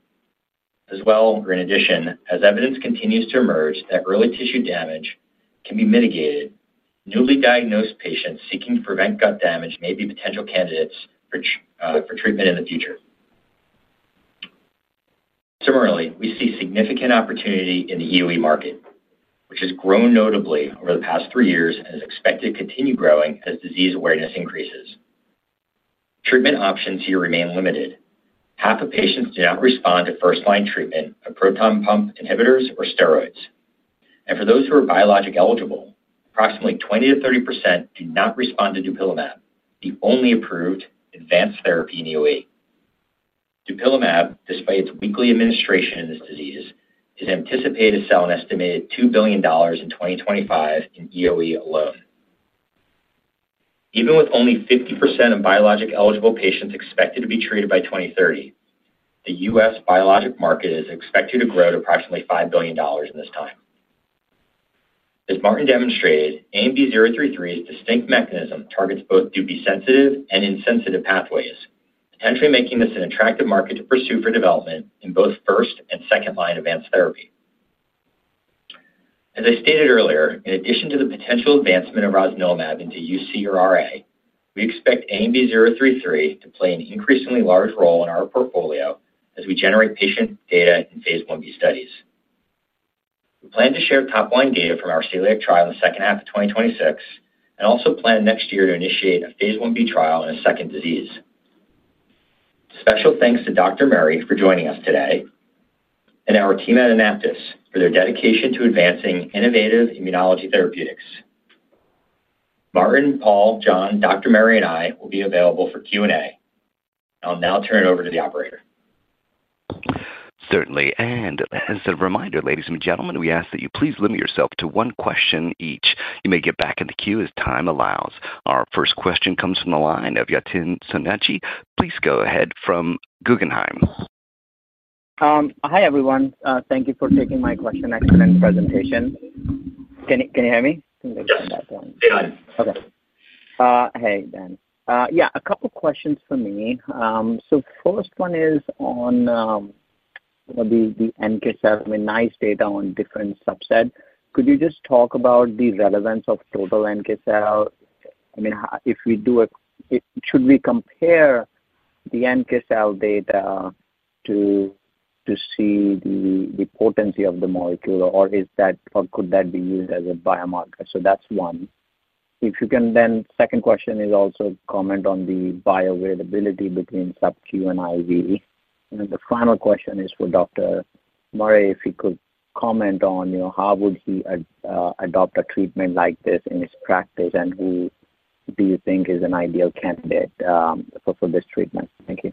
as well, or in addition, as evidence continues to emerge that early tissue damage can be mitigated, newly diagnosed patients seeking to prevent gut damage may be potential candidates for treatment in the future. Similarly, we see significant opportunity in the EOE market, which has grown notably over the past three years and is expected to continue growing as disease awareness increases. Treatment options here remain limited. Half of patients do not respond to first-line treatment of proton pump inhibitors or steroids. For those who are biologically eligible, approximately 20%-30% do not respond to Dupilumab, the only approved advanced therapy in EOE. Dupilumab, despite its weekly administration in this disease, is anticipated to sell an estimated $2 billion in 2025 in EOE alone. Even with only 50% of biologically eligible patients expected to be treated by 2030, the U.S. biologic market is expected to grow to approximately $5 billion in this time. As Martin demonstrated, ANB033's distinct mechanism targets both Dupi-sensitive and insensitive pathways, potentially making this an attractive market to pursue for development in both first and second-line advanced therapy. As I stated earlier, in addition to the potential advancement of rosnilimab into UCRA, we expect ANB033 to play an increasingly large role in our portfolio as we generate patient data in phase 1B studies. We plan to share top-line data from our celiac trial in the second half of 2026 and also plan next year to initiate a phase 1B trial in a second disease. Special thanks to Dr. Murray for joining us today and our team at AnaptysBio for their dedication to advancing innovative immunology therapeutics. Martin, Paul, John, Dr. Murray, and I will be available for Q&A. I'll now turn it over to the operator. Certainly. As a reminder, ladies and gentlemen, we ask that you please limit yourself to one question each. You may get back in the queue as time allows. Our first question comes from the line of Yatin Suneja. Please go ahead from Guggenheim. Hi, everyone. Thank you for taking my question. Excellent presentation. Can you hear me? Good. Okay. Hey, Dan. Yeah, a couple of questions for me. The first one is on the NK cell. Nice data on different subsets. Could you just talk about the relevance of total NK cell? If we do it, should we compare the NK cell data to see the potency of the molecule, or could that be used as a biomarker? That's one. The second question is also comment on the bioavailability between sub-Q and IV. The final question is for Dr. Murray, if he could comment on how would he adopt a treatment like this in his practice and who do you think is an ideal candidate for this treatment? Thank you.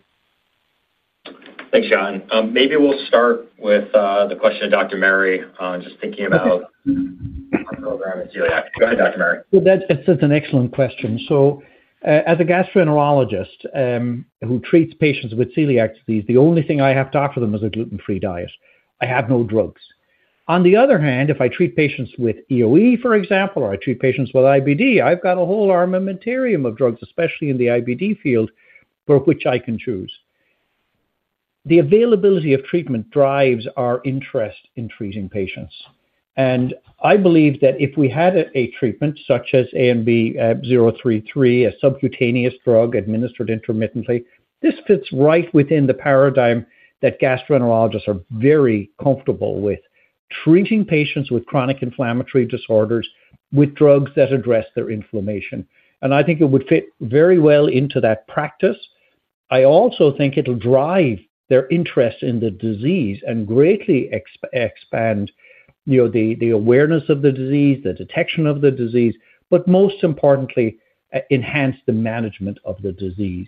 Thanks, John. Maybe we'll start with the question of Dr. Murray on just thinking about the program in celiac. Go ahead, Dr. Murray. That's an excellent question. As a gastroenterologist who treats patients with celiac disease, the only thing I have to offer them is a gluten-free diet. I have no drugs. On the other hand, if I treat patients with EOE, for example, or I treat patients with IBD, I've got a whole armamentarium of drugs, especially in the IBD field, for which I can choose. The availability of treatment drives our interest in treating patients. I believe that if we had a treatment such as ANB033, a subcutaneous drug administered intermittently, this fits right within the paradigm that gastroenterologists are very comfortable with: treating patients with chronic inflammatory disorders with drugs that address their inflammation. I think it would fit very well into that practice. I also think it'll drive their interest in the disease and greatly expand the awareness of the disease, the detection of the disease, but most importantly, enhance the management of the disease.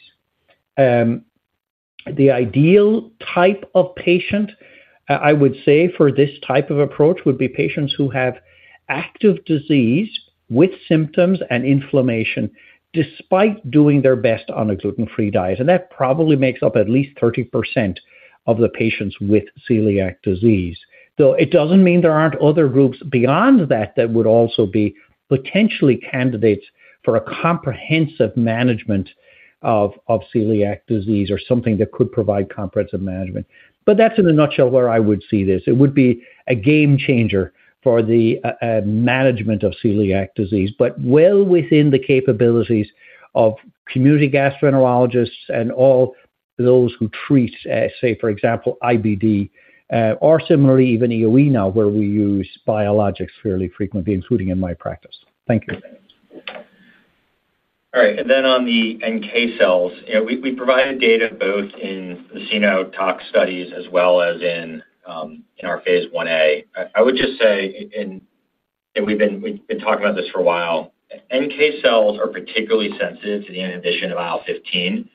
The ideal type of patient, I would say, for this type of approach would be patients who have active disease with symptoms and inflammation despite doing their best on a gluten-free diet. That probably makes up at least 30% of the patients with celiac disease. Though it doesn't mean there aren't other groups beyond that that would also be potentially candidates for a comprehensive management of celiac disease or something that could provide comprehensive management. That's in a nutshell where I would see this. It would be a game changer for the management of celiac disease, but well within the capabilities of community gastroenterologists and all those who treat, say, for example, IBD or similarly even EOE now, where we use biologics fairly frequently, including in my practice. Thank you. All right. Then on the NK cells, we provided data both in the SenoTox studies as well as in our phase 1A. I would just say, we've been talking about this for a while, NK cells are particularly sensitive to the inhibition of IL-15.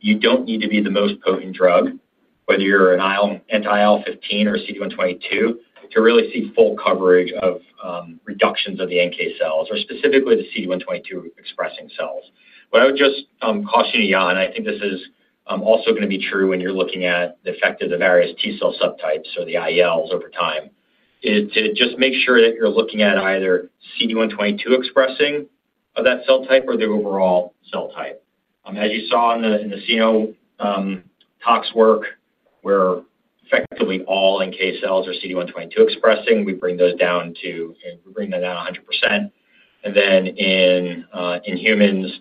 You don't need to be the most potent drug, whether you're an anti-IL-15 or CD122, to really see full coverage of reductions of the NK cells or specifically the CD122 expressing cells. What I would just caution you on, and I think this is also going to be true when you're looking at the effect of the various T cell subtypes or the IELs over time, is to just make sure that you're looking at either CD122 expressing of that cell type or the overall cell type. As you saw in the SenoTox work, where effectively all NK cells are CD122 expressing, we bring those down to 100%. In humans,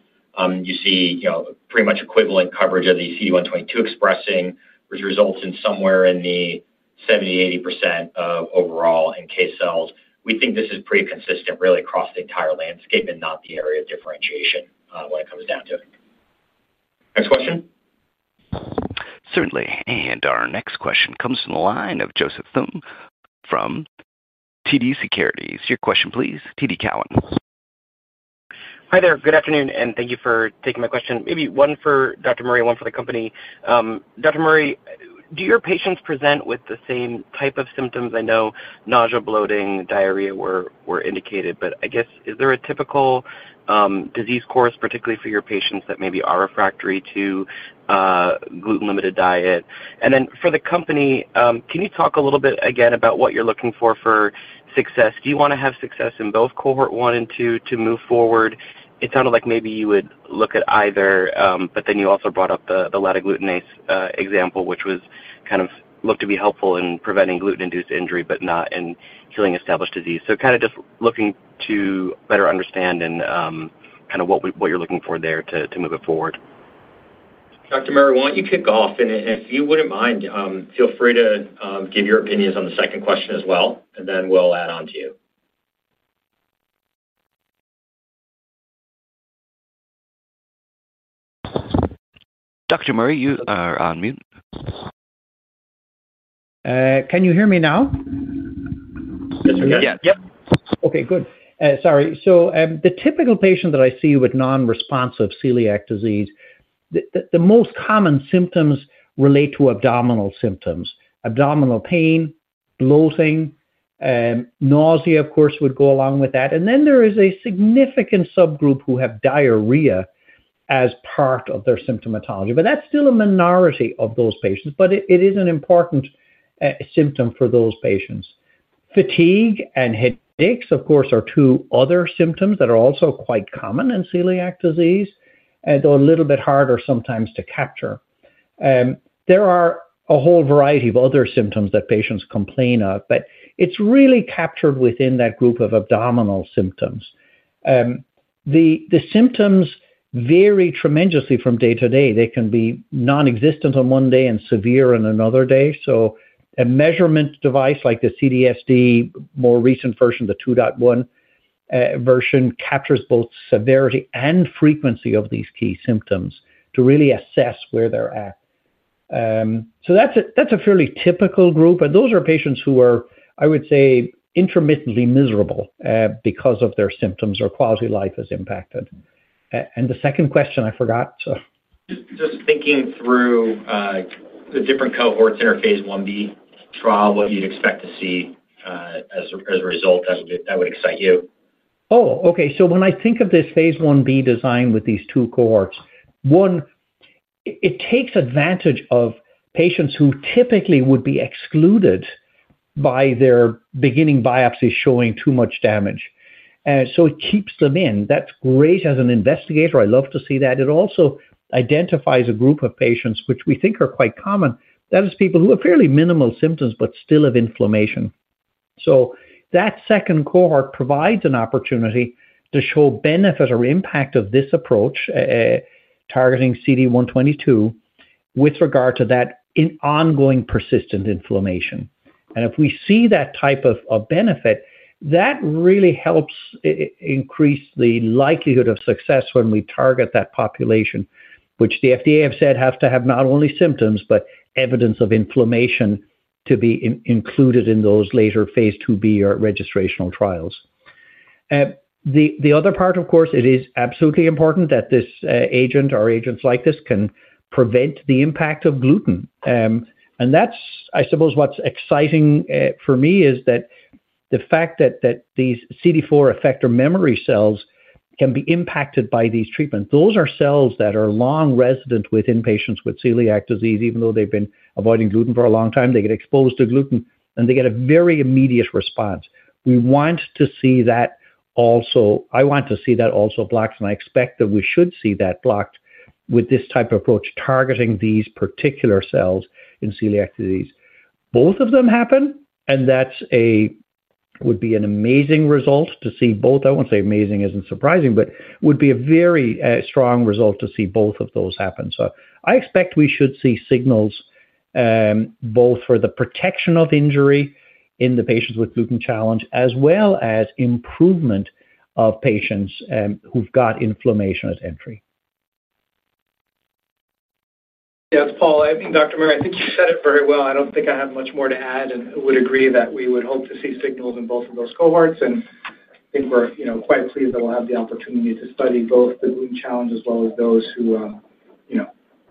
you see pretty much equivalent coverage of the CD122 expressing, which results in somewhere in the 70 to 80% of overall NK cells. We think this is pretty consistent really across the entire landscape and not the area of differentiation when it comes down to it. Next question? Certainly. Our next question comes from the line of Joseph Thome from TD Securities. Your question, please, TD Cowen. Hi there. Good afternoon, and thank you for taking my question. Maybe one for Dr. Joe Murray, one for the company. Dr. Murray, do your patients present with the same type of symptoms? I know nausea, bloating, diarrhea were indicated, but I guess is there a typical disease course, particularly for your patients that maybe are refractory to a gluten-limited diet? For the company, can you talk a little bit again about what you're looking for for success? Do you want to have success in both cohort one and two to move forward? It sounded like maybe you would look at either, but you also brought up the lattice glutenase example, which was kind of looked to be helpful in preventing gluten-induced injury but not in healing established disease. I'm just looking to better understand what you're looking for there to move it forward. Dr. Murray, why don't you kick off? If you wouldn't mind, feel free to give your opinions on the second question as well, and then we'll add on to you. Dr. Murray, you are on mute. Can you hear me now? Yes, we can. Yes. Okay, good. Sorry. The typical patient that I see with nonresponsive celiac disease, the most common symptoms relate to abdominal symptoms. Abdominal pain, bloating, nausea, of course, would go along with that. There is a significant subgroup who have diarrhea as part of their symptomatology. That's still a minority of those patients, but it is an important symptom for those patients. Fatigue and headaches, of course, are two other symptoms that are also quite common in celiac disease and are a little bit harder sometimes to capture. There are a whole variety of other symptoms that patients complain of, but it's really captured within that group of abdominal symptoms. The symptoms vary tremendously from day to day. They can be nonexistent on one day and severe on another day. A measurement device like the CDSD, more recent version, the 2.1 version, captures both severity and frequency of these key symptoms to really assess where they're at. That's a fairly typical group. Those are patients who are, I would say, intermittently miserable because of their symptoms or quality of life is impacted. And the second question, I forgot. Just thinking through the different cohorts in our phase 1B trial, what you'd expect to see as a result that would excite you. Oh, okay. When I think of this phase 1B design with these two cohorts, one, it takes advantage of patients who typically would be excluded by their beginning biopsies showing too much damage. It keeps them in. That's great as an investigator. I love to see that. It also identifies a group of patients, which we think are quite common, that is, people who have fairly minimal symptoms but still have inflammation. That second cohort provides an opportunity to show benefit or impact of this approach, targeting CD122, with regard to that ongoing persistent inflammation. If we see that type of benefit, that really helps increase the likelihood of success when we target that population, which the FDA has said has to have not only symptoms but evidence of inflammation to be included in those later phase 2B or registrational trials. The other part, of course, it is absolutely important that this agent or agents like this can prevent the impact of gluten. That's, I suppose, what's exciting for me, the fact that these CD4+ effector memory cells can be impacted by these treatments. Those are cells that are long resident within patients with celiac disease. Even though they've been avoiding gluten for a long time, they get exposed to gluten, and they get a very immediate response. We want to see that also. I want to see that also blocked, and I expect that we should see that blocked with this type of approach targeting these particular cells in celiac disease. Both of them happen, and that would be an amazing result to see both. I won't say amazing isn't surprising, but would be a very strong result to see both of those happen. I expect we should see signals both for the protection of injury in the patients with gluten challenge, as well as improvement of patients who've got inflammation at entry. Yeah, it's Paul. Dr. Murray, I think you said it very well. I don't think I have much more to add and would agree that we would hope to see signals in both of those cohorts. I think we're quite pleased that we'll have the opportunity to study both the gluten challenge as well as those who are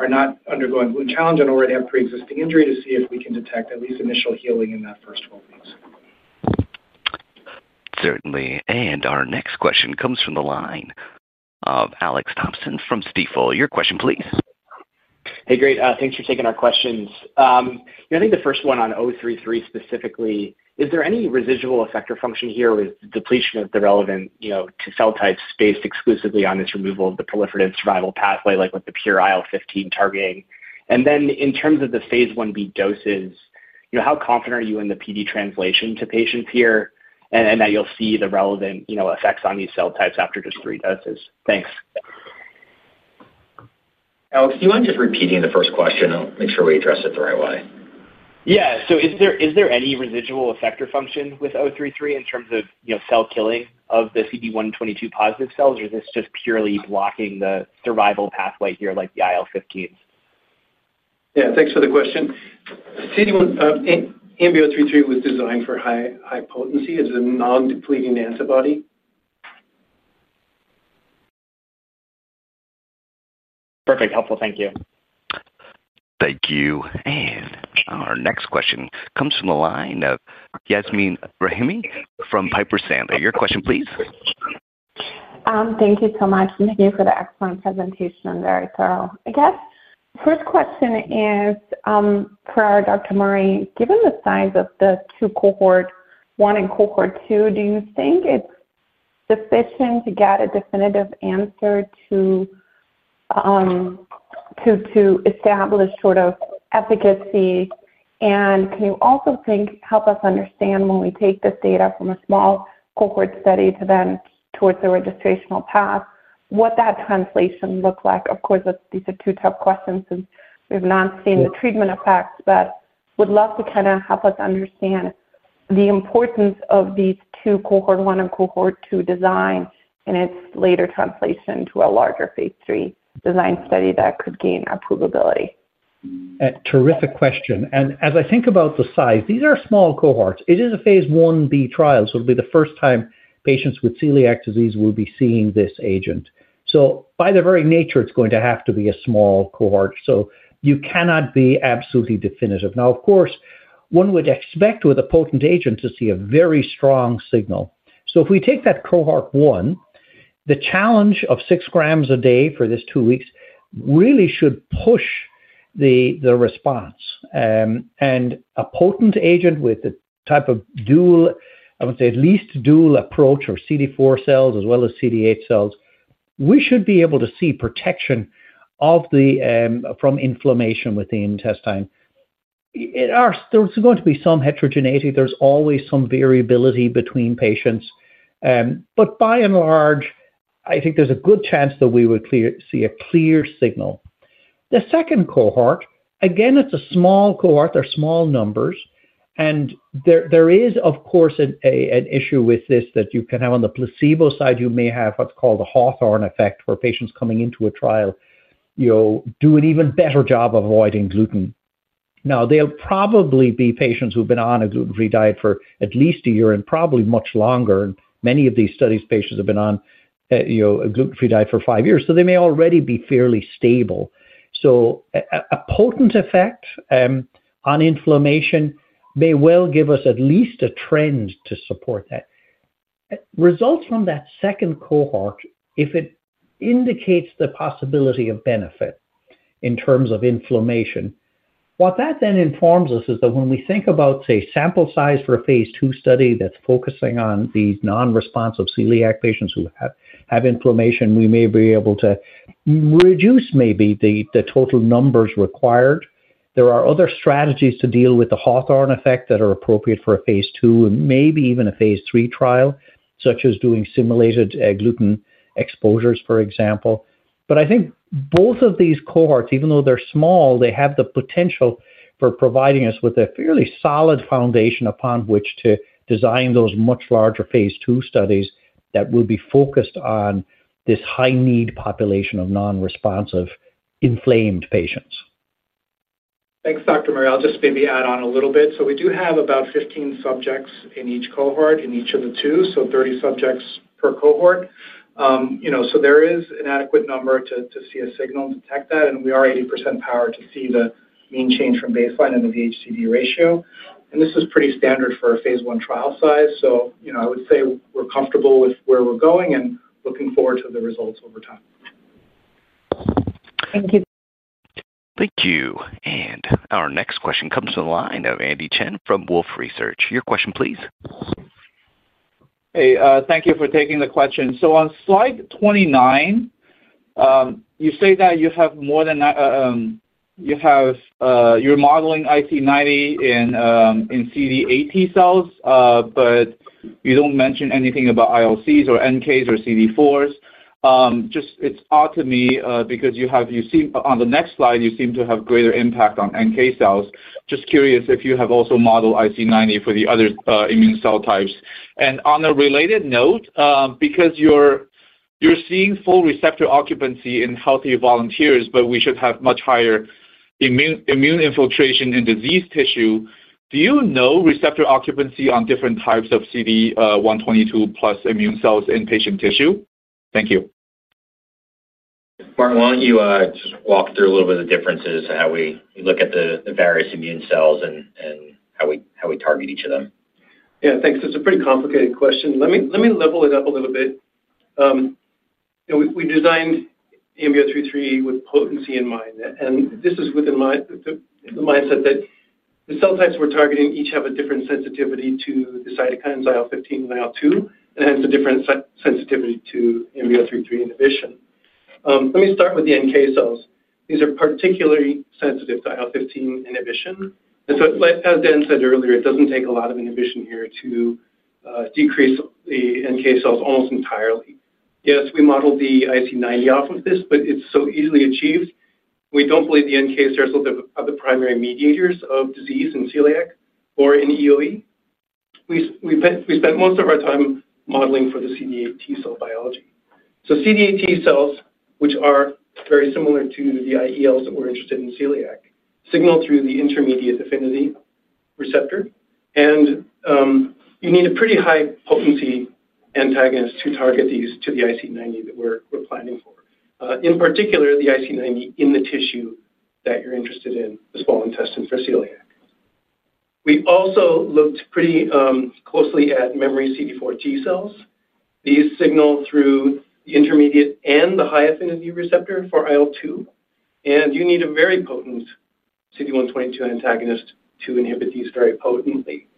not undergoing gluten challenge and already have preexisting injury to see if we can detect at least initial healing in that first 12 weeks. Certainly. And our next question comes from the line of Alex Thompson from Stifel. Your question, please. Hey, great. Thanks for taking our questions. I think the first one on ANB033 specifically, is there any residual effect or function here with depletion of the relevant cell types based exclusively on its removal of the proliferative survival pathway, like with the pure IL-15 targeting? In terms of the phase 1B doses, how confident are you in the PD translation to patients here and that you'll see the relevant effects on these cell types after just three doses? Thanks. Alex, do you mind just repeating the first question? I'll make sure we address it the right way. Is there any residual effect or function with ANB033 in terms of cell killing of the CD122 positive cells, or is this just purely blocking the survival pathway here like the IL-15s? Yeah, thanks for the question. ANB033 was designed for high potency as a non-depleting antibody. Perfect. Helpful. Thank you. Thank you. Our next question comes from the line of Yasmin Rahimi from Piper Sandler. Your question, please. Thank you so much. Thank you for the excellent presentation and very thorough. The first question is for our Dr. Murray. Given the size of the two cohorts, one and cohort two, do you think it's sufficient to get a definitive answer to establish sort of efficacy? Can you also help us understand when we take this data from a small cohort study to then towards a registrational path, what that translation looks like? Of course, these are two tough questions since we've not seen the treatment effects, but would love to kind of help us understand the importance of these two cohorts, one and cohort two, design in its later translation to a larger phase three design study that could gain approveability. Terrific question. As I think about the size, these are small cohorts. It is a phase 1B trial, so it'll be the first time patients with celiac disease will be seeing this agent. By their very nature, it's going to have to be a small cohort, so you cannot be absolutely definitive. Of course, one would expect with a potent agent to see a very strong signal. If we take that cohort one, the challenge of six grams a day for this two weeks really should push the response. A potent agent with a type of dual, I would say at least dual approach or CD4+ T cells as well as CD8+ T cells, we should be able to see protection from inflammation with the intestine. There's going to be some heterogeneity. There's always some variability between patients. But by and large, I think there's a good chance that we would see a clear signal. The second cohort, again, it's a small cohort. They're small numbers, and there is, of course, an issue with this that you can have on the placebo side. You may have what's called the Hawthorne effect, where patients coming into a trial do an even better job of avoiding gluten. There'll probably be patients who've been on a gluten-free diet for at least a year and probably much longer. Many of these studies' patients have been on a gluten-free diet for five years, so they may already be fairly stable. So a potent effect on inflammation may well give us at least a trend to support that. Results from that second cohort, if it indicates the possibility of benefit in terms of inflammation, what that then informs us is that when we think about, say, sample size for a phase 2 study that's focusing on these nonresponsive celiac patients who have inflammation, we may be able to reduce maybe the total numbers required. There are other strategies to deal with the Hawthorne effect that are appropriate for a phase 2 and maybe even a phase 3 trial, such as doing simulated gluten exposures, for example. I think both of these cohorts, even though they're small, have the potential for providing us with a fairly solid foundation upon which to design those much larger phase 2 studies that will be focused on this high-need population of nonresponsive inflamed patients. Thanks, Dr. Murray. I'll just maybe add on a little bit. We do have about 15 subjects in each cohort in each of the two, so 30 subjects per cohort. There is an adequate number to see a signal and detect that. We are 80% powered to see the mean change from baseline into the VH:CD ratio. This is pretty standard for a phase one trial size. I would say we're comfortable with where we're going and looking forward to the results over time. Thank you. Thank you. Our next question comes from the line of Andy Chen from Wolfe Research. Your question, please. Thank you for taking the question. On slide 29, you say that you have more than you're modeling IC90 in CD8+ T cells, but you don't mention anything about ILC2s or NK cells or CD4+ T cells. It's odd to me because on the next slide, you seem to have greater impact on NK cells. I'm just curious if you have also modeled IC90 for the other immune cell types. On a related note, because you're seeing full receptor occupancy in healthy volunteers, but we should have much higher immune infiltration in disease tissue, do you know receptor occupancy on different types of CD122+ immune cells in patient tissue? Thank you. Martin, why don't you just walk through a little bit of the differences and how we look at the various immune cells and how we target each of them? Yeah, thanks. It's a pretty complicated question. Let me level it up a little bit. We designed ANB033 with potency in mind. This is within the mindset that the cell types we're targeting each have a different sensitivity to the cytokines IL-15 and IL-2 and hence a different sensitivity to ANB033 inhibition. Let me start with the NK cells. These are particularly sensitive to IL-15 inhibition. As Daniel Faga said earlier, it doesn't take a lot of inhibition here to decrease the NK cells almost entirely. Yes, we modeled the IC90 off of this, but it's so easily achieved. We don't believe the NKs are sort of the primary mediators of disease in celiac or in eosinophilic esophagitis (EOE). We spent most of our time modeling for the CD8+ T cell biology. So CD8+ T cells, which are very similar to the intraepithelial lymphocytes that we're interested in for celiac, signal through the intermediate affinity receptor. And you need a pretty high potency antagonist to target these to the IC90 that we're planning. In particular, the IC90 in the tissue that you're interested in, the small intestine for celiac. We also looked pretty closely at memory CD4+ T cells. These signal through the intermediate and the high affinity receptor for IL-2, and you need a very potent CD122 antagonist to inhibit these very potently,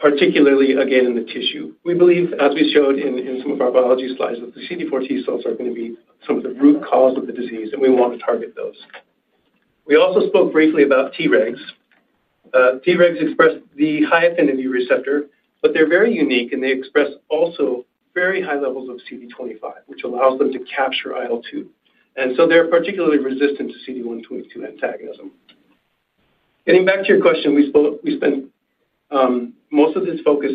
particularly again in the tissue. We believe, as we showed in some of our biology slides, that the CD4+ T cells are going to be some of the root cause of the disease, and we want to target those. We also spoke briefly about Tregs. Tregs express the high affinity receptor, but they're very unique, and they express also very high levels of CD25, which allows them to capture IL-2. And so they're particularly resistant to CD122 antagonism. Getting back to your question, we spent most of this focus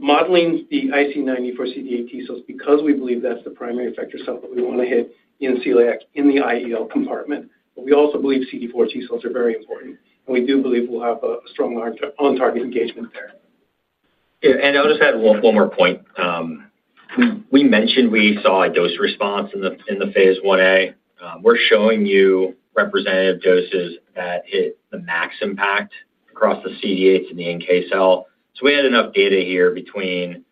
modeling the IC90 for CD8+ T cells because we believe that's the primary effector cell that we want to hit in celiac in the IEL compartment. We also believe CD4+ T cells are very important, and we do believe we'll have a strong on-target engagement there. Yeah, I'll just add one more point. We mentioned we saw a dose response in the phase 1A. We're showing you representative doses that hit the max impact across the CD8 to the NK cell. We had enough data here between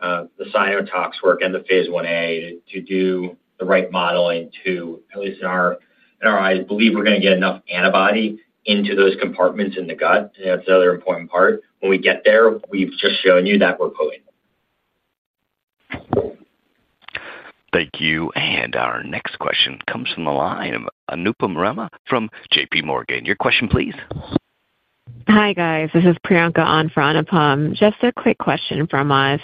the cytotox work and the phase 1A to do the right modeling to, at least in our eyes, believe we're going to get enough antibody into those compartments in the gut. That's the other important part. When we get there, we've just shown you that we're potent. Thank you. Our next question comes from the line of Anupam Rama from JP Morgan. Your question, please. Hi guys, this is Priyanka on for Anupam. Just a quick question from us.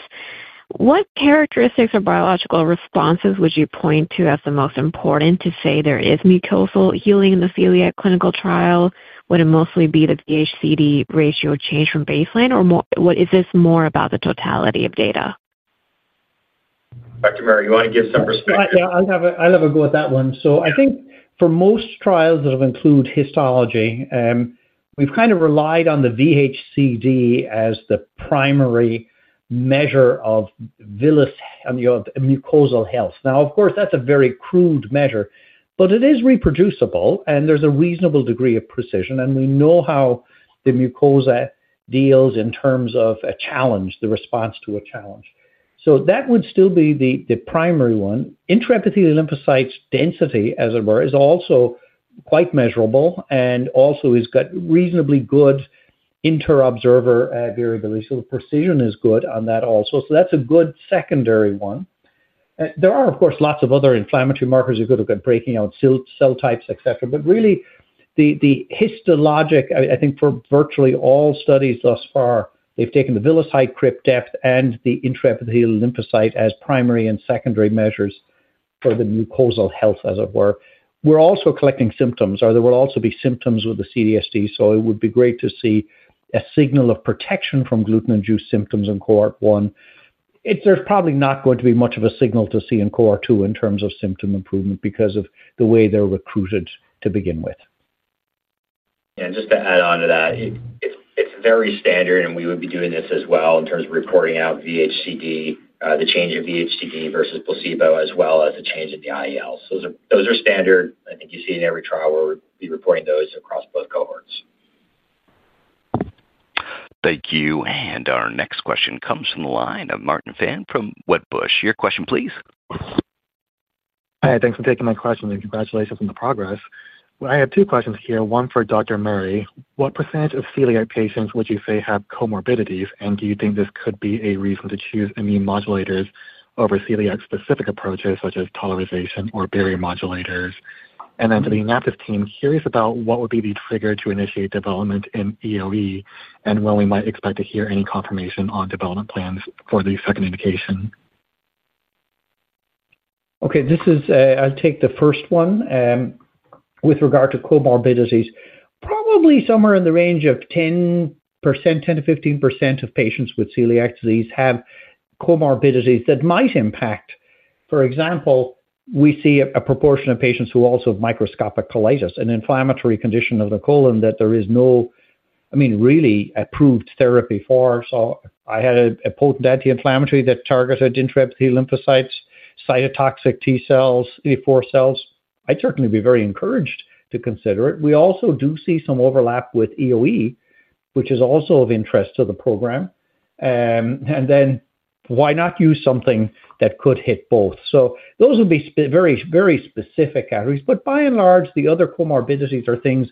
What characteristics or biological responses would you point to as the most important to say there is mucosal healing in the celiac clinical trial? Would it mostly be the VH:CD ratio change from baseline, or is this more about the totality of data? Dr. Murray, you want to give some perspective? Yeah, I'll have a go at that one. I think for most trials that have included histology, we've kind of relied on the VH:CD ratio as the primary measure of mucosal health. Now, of course, that's a very crude measure, but it is reproducible, and there's a reasonable degree of precision, and we know how the mucosa deals in terms of a challenge, the response to a challenge. That would still be the primary one. Intraepithelial lymphocyte count, as it were, is also quite measurable, and also has got reasonably good inter-observer variability. The precision is good on that also. That's a good secondary one. There are, of course, lots of other inflammatory markers you could look at, breaking out cell types, et cetera. Really, the histologic, I think for virtually all studies thus far, they've taken the villous height to crypt depth ratio and the intraepithelial lymphocyte count as primary and secondary measures for the mucosal health, as it were. We're also collecting symptoms, or there will also be symptoms with the CDSD. It would be great to see a signal of protection from gluten-induced symptoms in cohort one. There's probably not going to be much of a signal to see in cohort two in terms of symptom improvement because of the way they're recruited to begin with. Yeah, and just to add on to that, it's very standard, and we would be doing this as well in terms of reporting out VH:CD, the change of VH:CD versus placebo, as well as the change in the intraepithelial lymphocyte count. Those are standard, I think you see in every trial where we'll be reporting those across both cohorts. Thank you. Our next question comes from the line of Martin Fan from Wedbush. Your question, please. Hi, thanks for taking my question, and congratulations on the progress. I have two questions here. One for Dr. Murray. What percent of celiac patients would you say have comorbidities, and do you think this could be a reason to choose immune modulators over celiac-specific approaches such as tolerization or barrier modulators? To the AnaptysBio team, curious about what would be the trigger to initiate development in eosinophilic esophagitis (EOE), and when we might expect to hear any confirmation on development plans for the second indication? Okay, I'll take the first one. With regard to comorbidities, probably somewhere in the range of 10%, 10 to 15% of patients with celiac disease have comorbidities that might impact. For example, we see a proportion of patients who also have microscopic colitis, an inflammatory condition of the colon that there is no, I mean, really approved therapy for. If I had a potent anti-inflammatory that targets intraepithelial lymphocytes, cytotoxic T cells, CD4+ T cells, I'd certainly be very encouraged to consider it. We also do see some overlap with eosinophilic esophagitis (EOE), which is also of interest to the program. And then why not use something that could hit both? Those would be very, very specific categories. By and large, the other comorbidities are things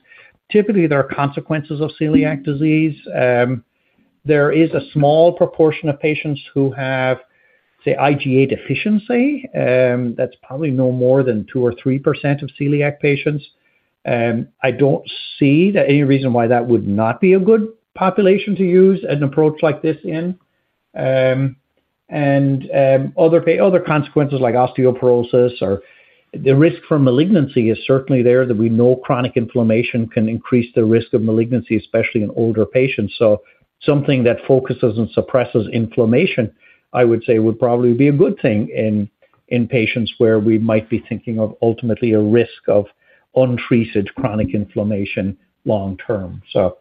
typically that are consequences of celiac disease. There is a small proportion of patients who have, say, IgA deficiency. That's probably no more than 2 or 3% of celiac patients. I don't see any reason why that would not be a good population to use an approach like this in. Other consequences like osteoporosis, or the risk for malignancy is certainly there. We know chronic inflammation can increase the risk of malignancy, especially in older patients. Something that focuses and suppresses inflammation, I would say, would probably be a good thing in patients where we might be thinking of ultimately a risk of untreated chronic inflammation long term. So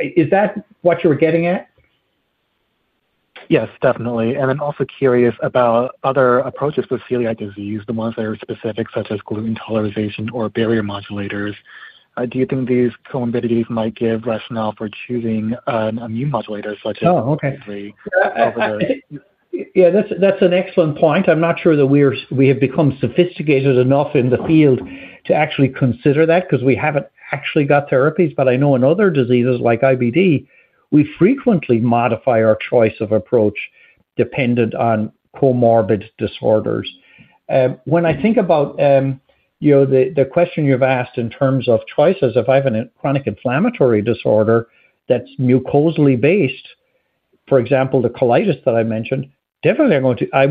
is that what you were getting at? Yes, definitely. I'm also curious about other approaches for celiac disease, the ones that are specific, such as gluten tolerization or barrier modulators. Do you think these comorbidities might give rationale for choosing an immune modulator such as? Yeah, that's an excellent point. I'm not sure that we have become sophisticated enough in the field to actually consider that because we haven't actually got therapies, but I know in other diseases like IBD, we frequently modify our choice of approach dependent on comorbid disorders. When I think about the question you've asked in terms of choices, if I have a chronic inflammatory disorder that's mucosally based, for example, the colitis that I mentioned, definitely I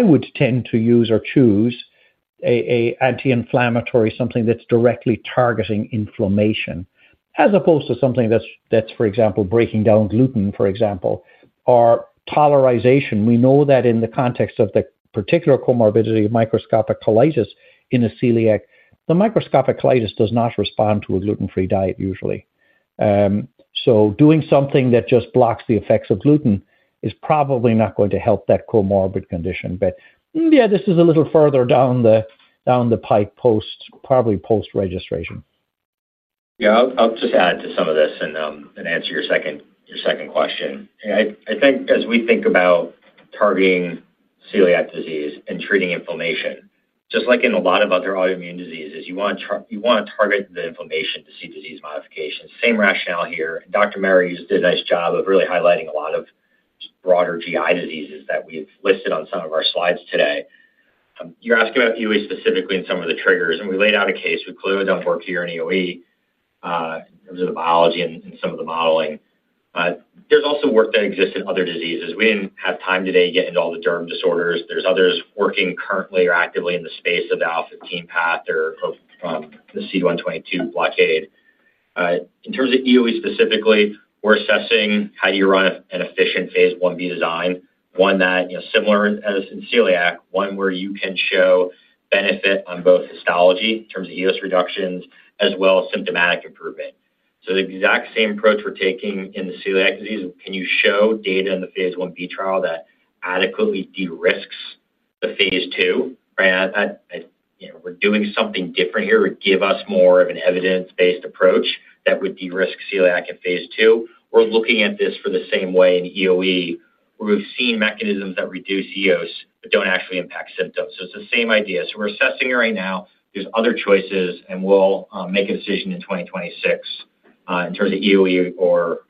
would tend to use or choose an anti-inflammatory, something that's directly targeting inflammation, as opposed to something that's, for example, breaking down gluten, for example, or tolerization. We know that in the context of the particular comorbidity of microscopic colitis in a celiac, the microscopic colitis does not respond to a gluten-free diet usually. Doing something that just blocks the effects of gluten is probably not going to help that comorbid condition. This is a little further down the pike, probably post-registration. I'll just add to some of this and answer your second question. I think as we think about targeting celiac disease and treating inflammation, just like in a lot of other autoimmune diseases, you want to target the inflammation to see disease modifications. Same rationale here. Dr. Murray did a nice job of really highlighting a lot of broader GI diseases that we've listed on some of our slides today. You're asking about EOE specifically and some of the triggers, and we laid out a case. We clearly don't work here in EOE in terms of the biology and some of the modeling. There's also work that exists in other diseases. We didn't have time today to get into all the derm disorders. There are others working currently or actively in the space of the IL-15 path or the CD122 blockade. In terms of EOE specifically, we're assessing how do you run an efficient phase 1B design, one that's similar as in celiac, one where you can show benefit on both histology in terms of EOS reductions, as well as symptomatic improvement. The exact same approach we're taking in the celiac disease. Can you show data in the phase 1B trial that adequately de-risk the phase 2? We're doing something different here. It would give us more of an evidence-based approach that would de-risk celiac in phase two. We're looking at this the same way in EOE, where we've seen mechanisms that reduce EOS but don't actually impact symptoms. It's the same idea. We're assessing it right now. There are other choices, and we'll make a decision in 2026 in terms of EOE or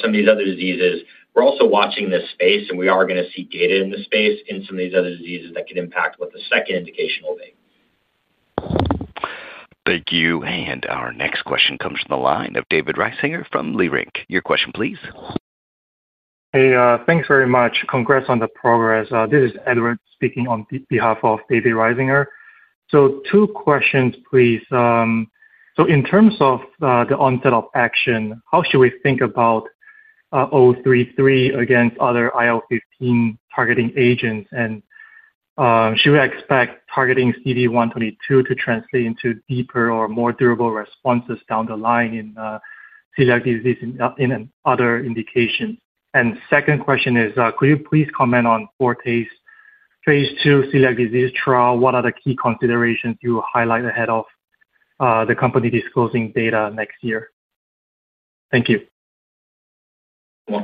some of these other diseases. We're also watching this space, and we are going to see data in this space in some of these other diseases that could impact what the second indication will be. Thank you. Our next question comes from the line of David Reisinger from Leerink Partners. Your question, please. Hey, thanks very much. Congrats on the progress. This is Edward speaking on behalf of David Reisinger. Two questions, please. In terms of the onset of action, how should we think about ANB033 against other IL-15 targeting agents, and should we expect targeting CD122 to translate into deeper or more durable responses down the line in celiac disease and other indications? The second question is, could you please comment on Forte's phase two celiac disease trial? What are the key considerations you will highlight ahead of the company disclosing data next year? Thank you. You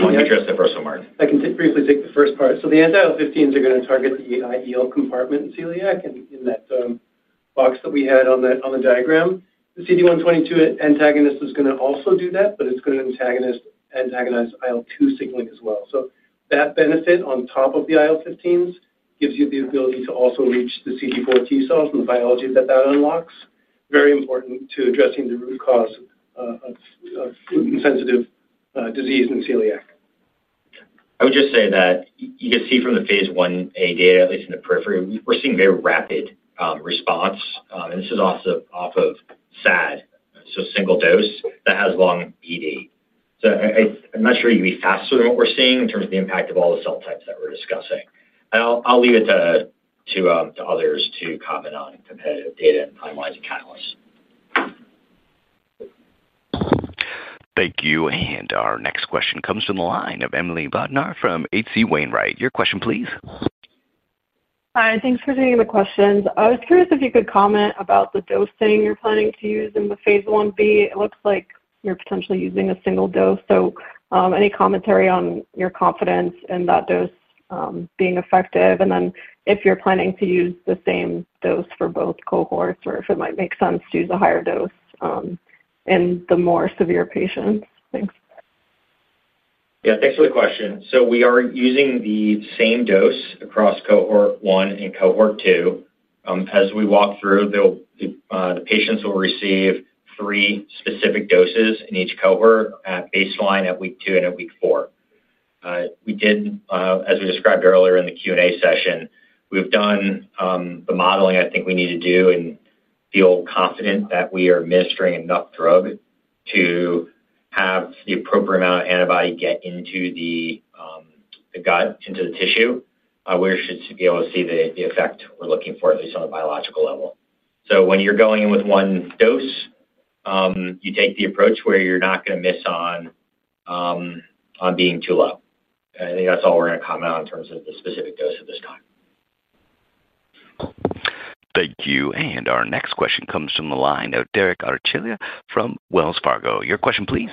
want to address that first, Martin. I can briefly take the first part. The anti-IL-15s are going to target the IEL compartment in celiac in that box that we had on the diagram. The CD122 antagonist is going to also do that, but it's going to antagonize IL-2 signaling as well. That benefit on top of the IL-15s gives you the ability to also reach the CD4+ T cells and the biology that that unlocks. Very important to addressing the root cause of gluten-sensitive disease in celiac. I would just say that you can see from the phase 1A data, at least in the periphery, we're seeing very rapid response, and this is off of SAD, so single dose that has long ED. I'm not sure you'd be faster than what we're seeing in terms of the impact of all the cell types that we're discussing. I'll leave it to others to comment on competitive data and timelines and catalysts. Thank you. Our next question comes from the line of Emily Bodnar from H.C. Wainwright. Your question, please. Hi, thanks for taking the questions. I was curious if you could comment about the dosing you're planning to use in the phase 1B. It looks like you're potentially using a single dose. Any commentary on your confidence in that dose being effective? Are you planning to use the same dose for both cohorts, or might it make sense to use a higher dose in the more severe patients? Thanks. Yeah, thanks for the question. We are using the same dose across cohort one and cohort two. As we walk through, the patients will receive three specific doses in each cohort at baseline, at week two, and at week four. As we described earlier in the Q&A session, we've done the modeling I think we need to do and feel confident that we are administering enough drug to have the appropriate amount of antibody get into the gut, into the tissue. We should be able to see the effect we're looking for, at least on a biological level. When you're going in with one dose, you take the approach where you're not going to miss on being too low. I think that's all we're going to comment on in terms of the specific dose at this time. Thank you. Our next question comes from the line of Derek Archila from Wells Fargo. Your question, please.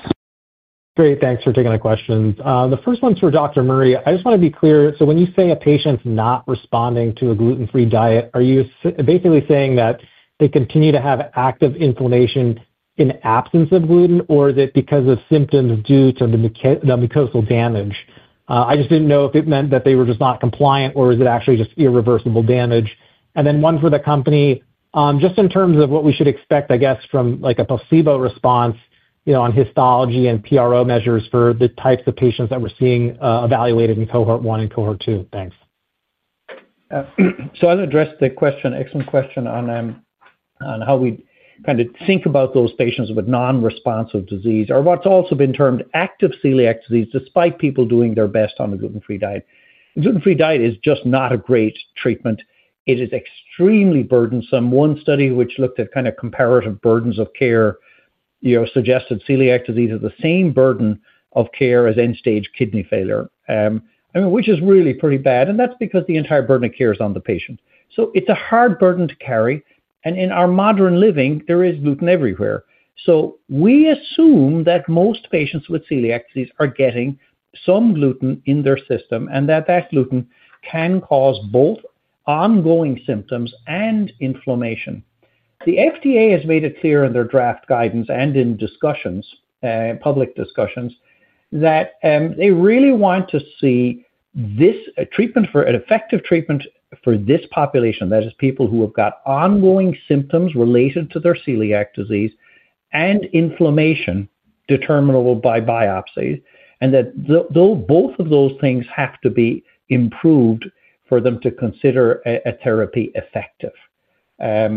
Great, thanks for taking the questions. The first one's for Dr. Joe Murray. I just want to be clear. When you say a patient's not responding to a gluten-free diet, are you basically saying that they continue to have active inflammation in absence of gluten, or is it because of symptoms due to the mucosal damage? I just didn't know if it meant that they were just not compliant, or is it actually just irreversible damage? One for the company, just in terms of what we should expect, I guess, from like a placebo response on histology and PRO measures for the types of patients that we're seeing evaluated in cohort one and cohort two. Thanks. So I'll address the question. Excellent question on how we kind of think about those patients with non-responsive disease, or what's also been termed active celiac disease despite people doing their best on the gluten-free diet. The gluten-free diet is just not a great treatment. It is extremely burdensome. One study which looked at comparative burdens of care suggested celiac disease is the same burden of care as end-stage kidney failure, which is really pretty bad. That's because the entire burden of care is on the patient. It's a hard burden to carry. In our modern living, there is gluten everywhere. We assume that most patients with celiac disease are getting some gluten in their system and that gluten can cause both ongoing symptoms and inflammation. The FDA has made it clear in their draft guidance and in discussions, public discussions, that they really want to see this treatment for an effective treatment for this population, that is people who have got ongoing symptoms related to their celiac disease and inflammation determinable by biopsies, and that both of those things have to be improved for them to consider a therapy effective. I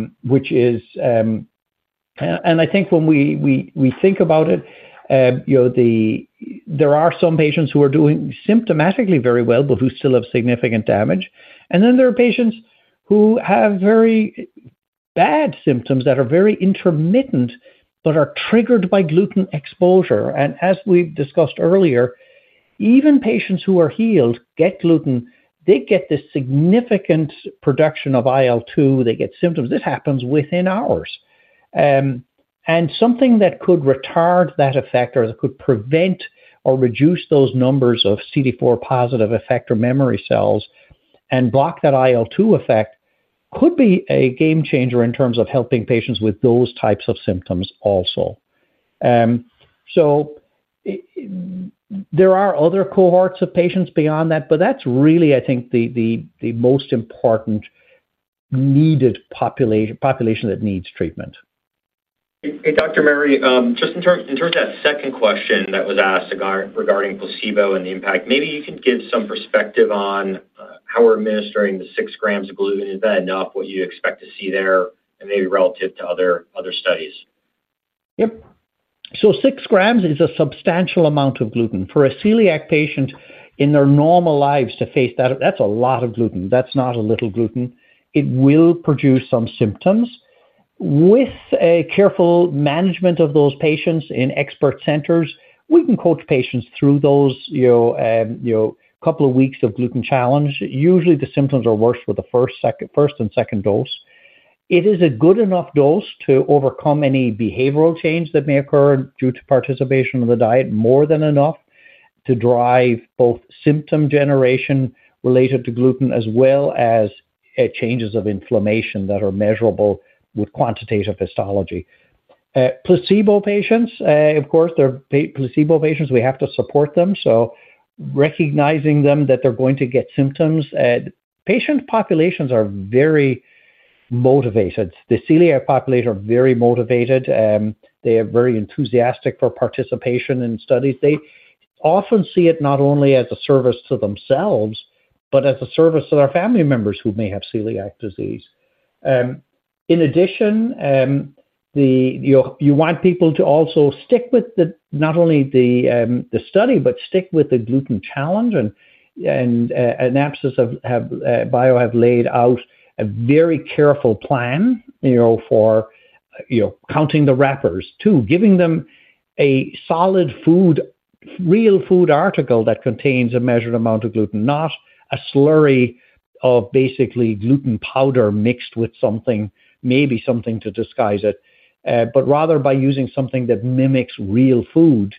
think when we think about it, there are some patients who are doing symptomatically very well, but who still have significant damage. Then there are patients who have very bad symptoms that are very intermittent but are triggered by gluten exposure. As we discussed earlier, even patients who are healed get gluten. They get this significant production of IL-2. They get symptoms. This happens within hours. Something that could retard that effect or that could prevent or reduce those numbers of CD4+ effector memory cells and block that IL-2 effect could be a game changer in terms of helping patients with those types of symptoms also. There are other cohorts of patients beyond that, but that's really, I think, the most important needed population that needs treatment. Hey, Dr. Murray, just in terms of that second question that was asked regarding placebo and the impact, maybe you can give some perspective on how we're administering the six grams of gluten. Is that enough? What do you expect to see there, and maybe relative to other studies? Yep. Six grams is a substantial amount of gluten. For a celiac patient in their normal lives to face that, that's a lot of gluten. That's not a little gluten. It will produce some symptoms. With careful management of those patients in expert centers, we can coach patients through those couple of weeks of gluten challenge. Usually, the symptoms are worse with the first and second dose. It is a good enough dose to overcome any behavioral change that may occur due to participation in the diet, more than enough to drive both symptom generation related to gluten as well as changes of inflammation that are measurable with quantitative histology. Placebo patients, of course, they're placebo patients. We have to support them. Recognizing them that they're going to get symptoms. Patient populations are very motivated. The celiac population are very motivated. They are very enthusiastic for participation in studies. They often see it not only as a service to themselves, but as a service to their family members who may have celiac disease. In addition, you want people to also stick with not only the study, but stick with the gluten challenge. AnaptysBio have laid out a very careful plan for counting the wrappers too, giving them a solid food, real food article that contains a measured amount of gluten, not a slurry of basically gluten powder mixed with something, maybe something to disguise it, but rather by using something that mimics real food,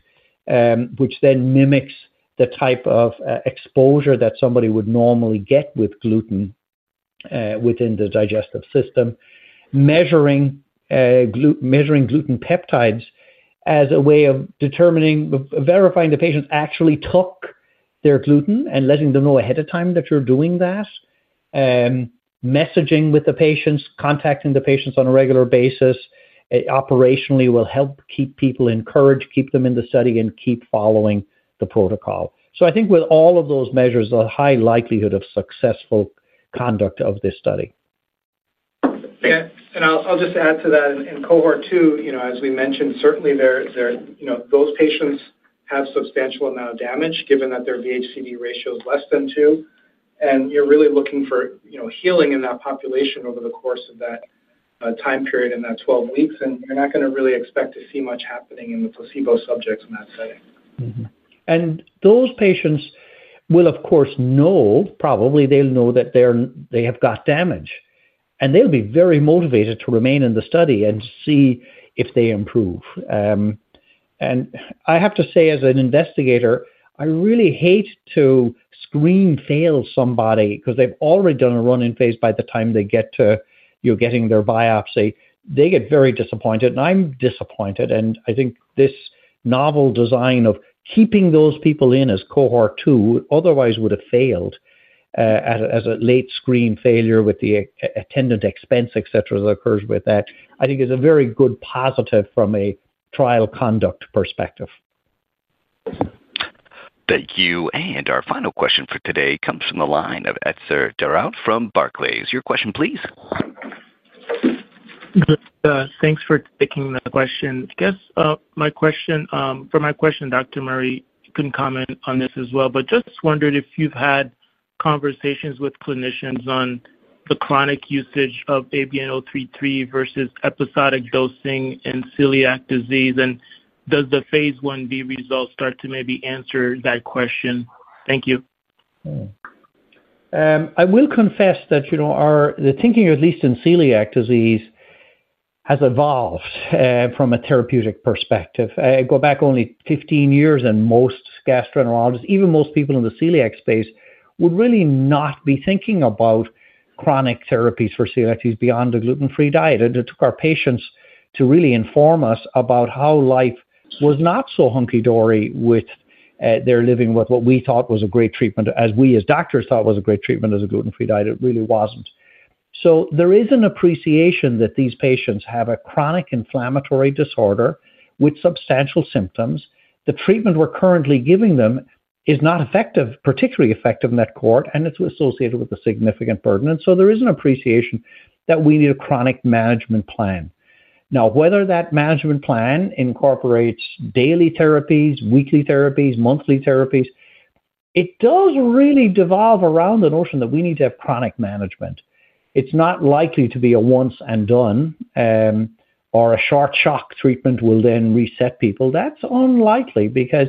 which then mimics the type of exposure that somebody would normally get with gluten within the digestive system. Measuring gluten peptides as a way of verifying the patients actually took their gluten and letting them know ahead of time that you're doing that. Messaging with the patients, contacting the patients on a regular basis operationally will help keep people encouraged, keep them in the study, and keep following the protocol. I think with all of those measures, a high likelihood of successful conduct of this study. Yeah, I'll just add to that. In cohort two, as we mentioned, certainly those patients have a substantial amount of damage given that their VH:CD ratio is less than 2. You're really looking for healing in that population over the course of that time period in that 12 weeks, and you're not going to really expect to see much happening in the placebo subjects in that setting. Those patients will, of course, probably know that they have got damage, and they'll be very motivated to remain in the study and see if they improve. I have to say, as an investigator, I really hate to screen fail somebody because they've already done a run-in phase by the time they get to getting their biopsy. They get very disappointed, and I'm disappointed. I think this novel design of keeping those people in as cohort two, who otherwise would have failed as a late screen failure with the attendant expense, et cetera, that occurs with that, is a very good positive from a trial conduct perspective. Thank you. Our final question for today comes from the line of Etzer Deraut from Barclays. Your question, please. Thanks for taking the question. I guess my question, Dr. Murray, you can comment on this as well, but just wondered if you've had conversations with clinicians on the chronic usage of ANB033 versus episodic dosing in celiac disease, and does the phase 1B result start to maybe answer that question? Thank you. I will confess that the thinking, at least in celiac disease, has evolved from a therapeutic perspective. I go back only 15 years, and most gastroenterologists, even most people in the celiac space, would really not be thinking about chronic therapies for celiac disease beyond a gluten-free diet. It took our patients to really inform us about how life was not so hunky-dory with their living with what we thought was a great treatment, as we as doctors thought was a great treatment as a gluten-free diet. It really wasn't. There is an appreciation that these patients have a chronic inflammatory disorder with substantial symptoms. The treatment we're currently giving them is not particularly effective in that cohort, and it's associated with a significant burden. There is an appreciation that we need a chronic management plan. Now, whether that management plan incorporates daily therapies, weekly therapies, monthly therapies, it does really devolve around the notion that we need to have chronic management. It's not likely to be a once and done or a sharp shock treatment will then reset people. That's unlikely because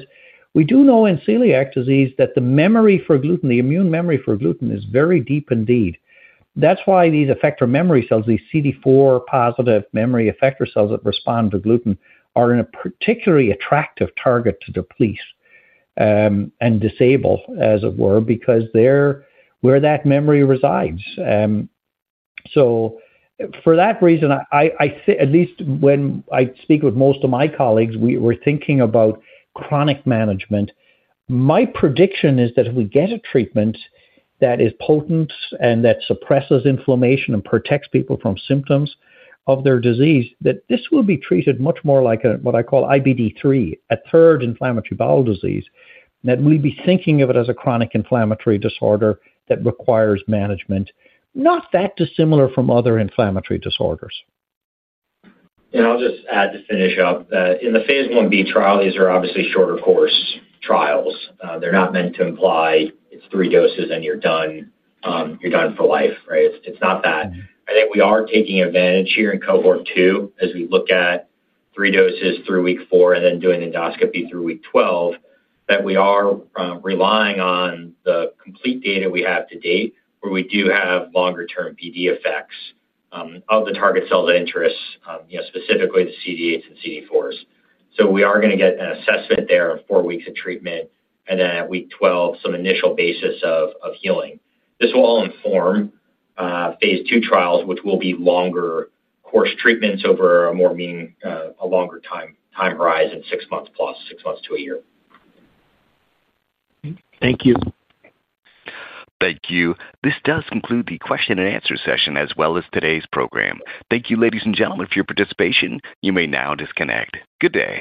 we do know in celiac disease that the memory for gluten, the immune memory for gluten, is very deep indeed. That's why these effector memory cells, these CD4+ memory effector cells that respond to gluten, are a particularly attractive target to deplete and disable, as it were, because they're where that memory resides. For that reason, at least when I speak with most of my colleagues, we're thinking about chronic management. My prediction is that if we get a treatment that is potent and that suppresses inflammation and protects people from symptoms of their disease, this will be treated much more like what I call IBD3, a third inflammatory bowel disease, and that we'll be thinking of it as a chronic inflammatory disorder that requires management, not that dissimilar from other inflammatory disorders. I'll just add to finish up. In the phase 1B trial, these are obviously shorter course trials. They're not meant to imply it's three doses and you're done. You're done for life, right? It's not that. I think we are taking advantage here in cohort two as we look at three doses through week four and then doing the endoscopy through week 12, that we are relying on the complete data we have to date where we do have longer-term BD effects of the target cells of interest, specifically the CD8+ T cells and CD4+ T cells. We are going to get an assessment there in four weeks of treatment and then at week 12, some initial basis of healing. This will all inform phase two trials, which will be longer course treatments over a longer time horizon, six months plus, six months to a year. Thank you. Thank you. This does conclude the question and answer session as well as today's program. Thank you, ladies and gentlemen, for your participation. You may now disconnect. Good day.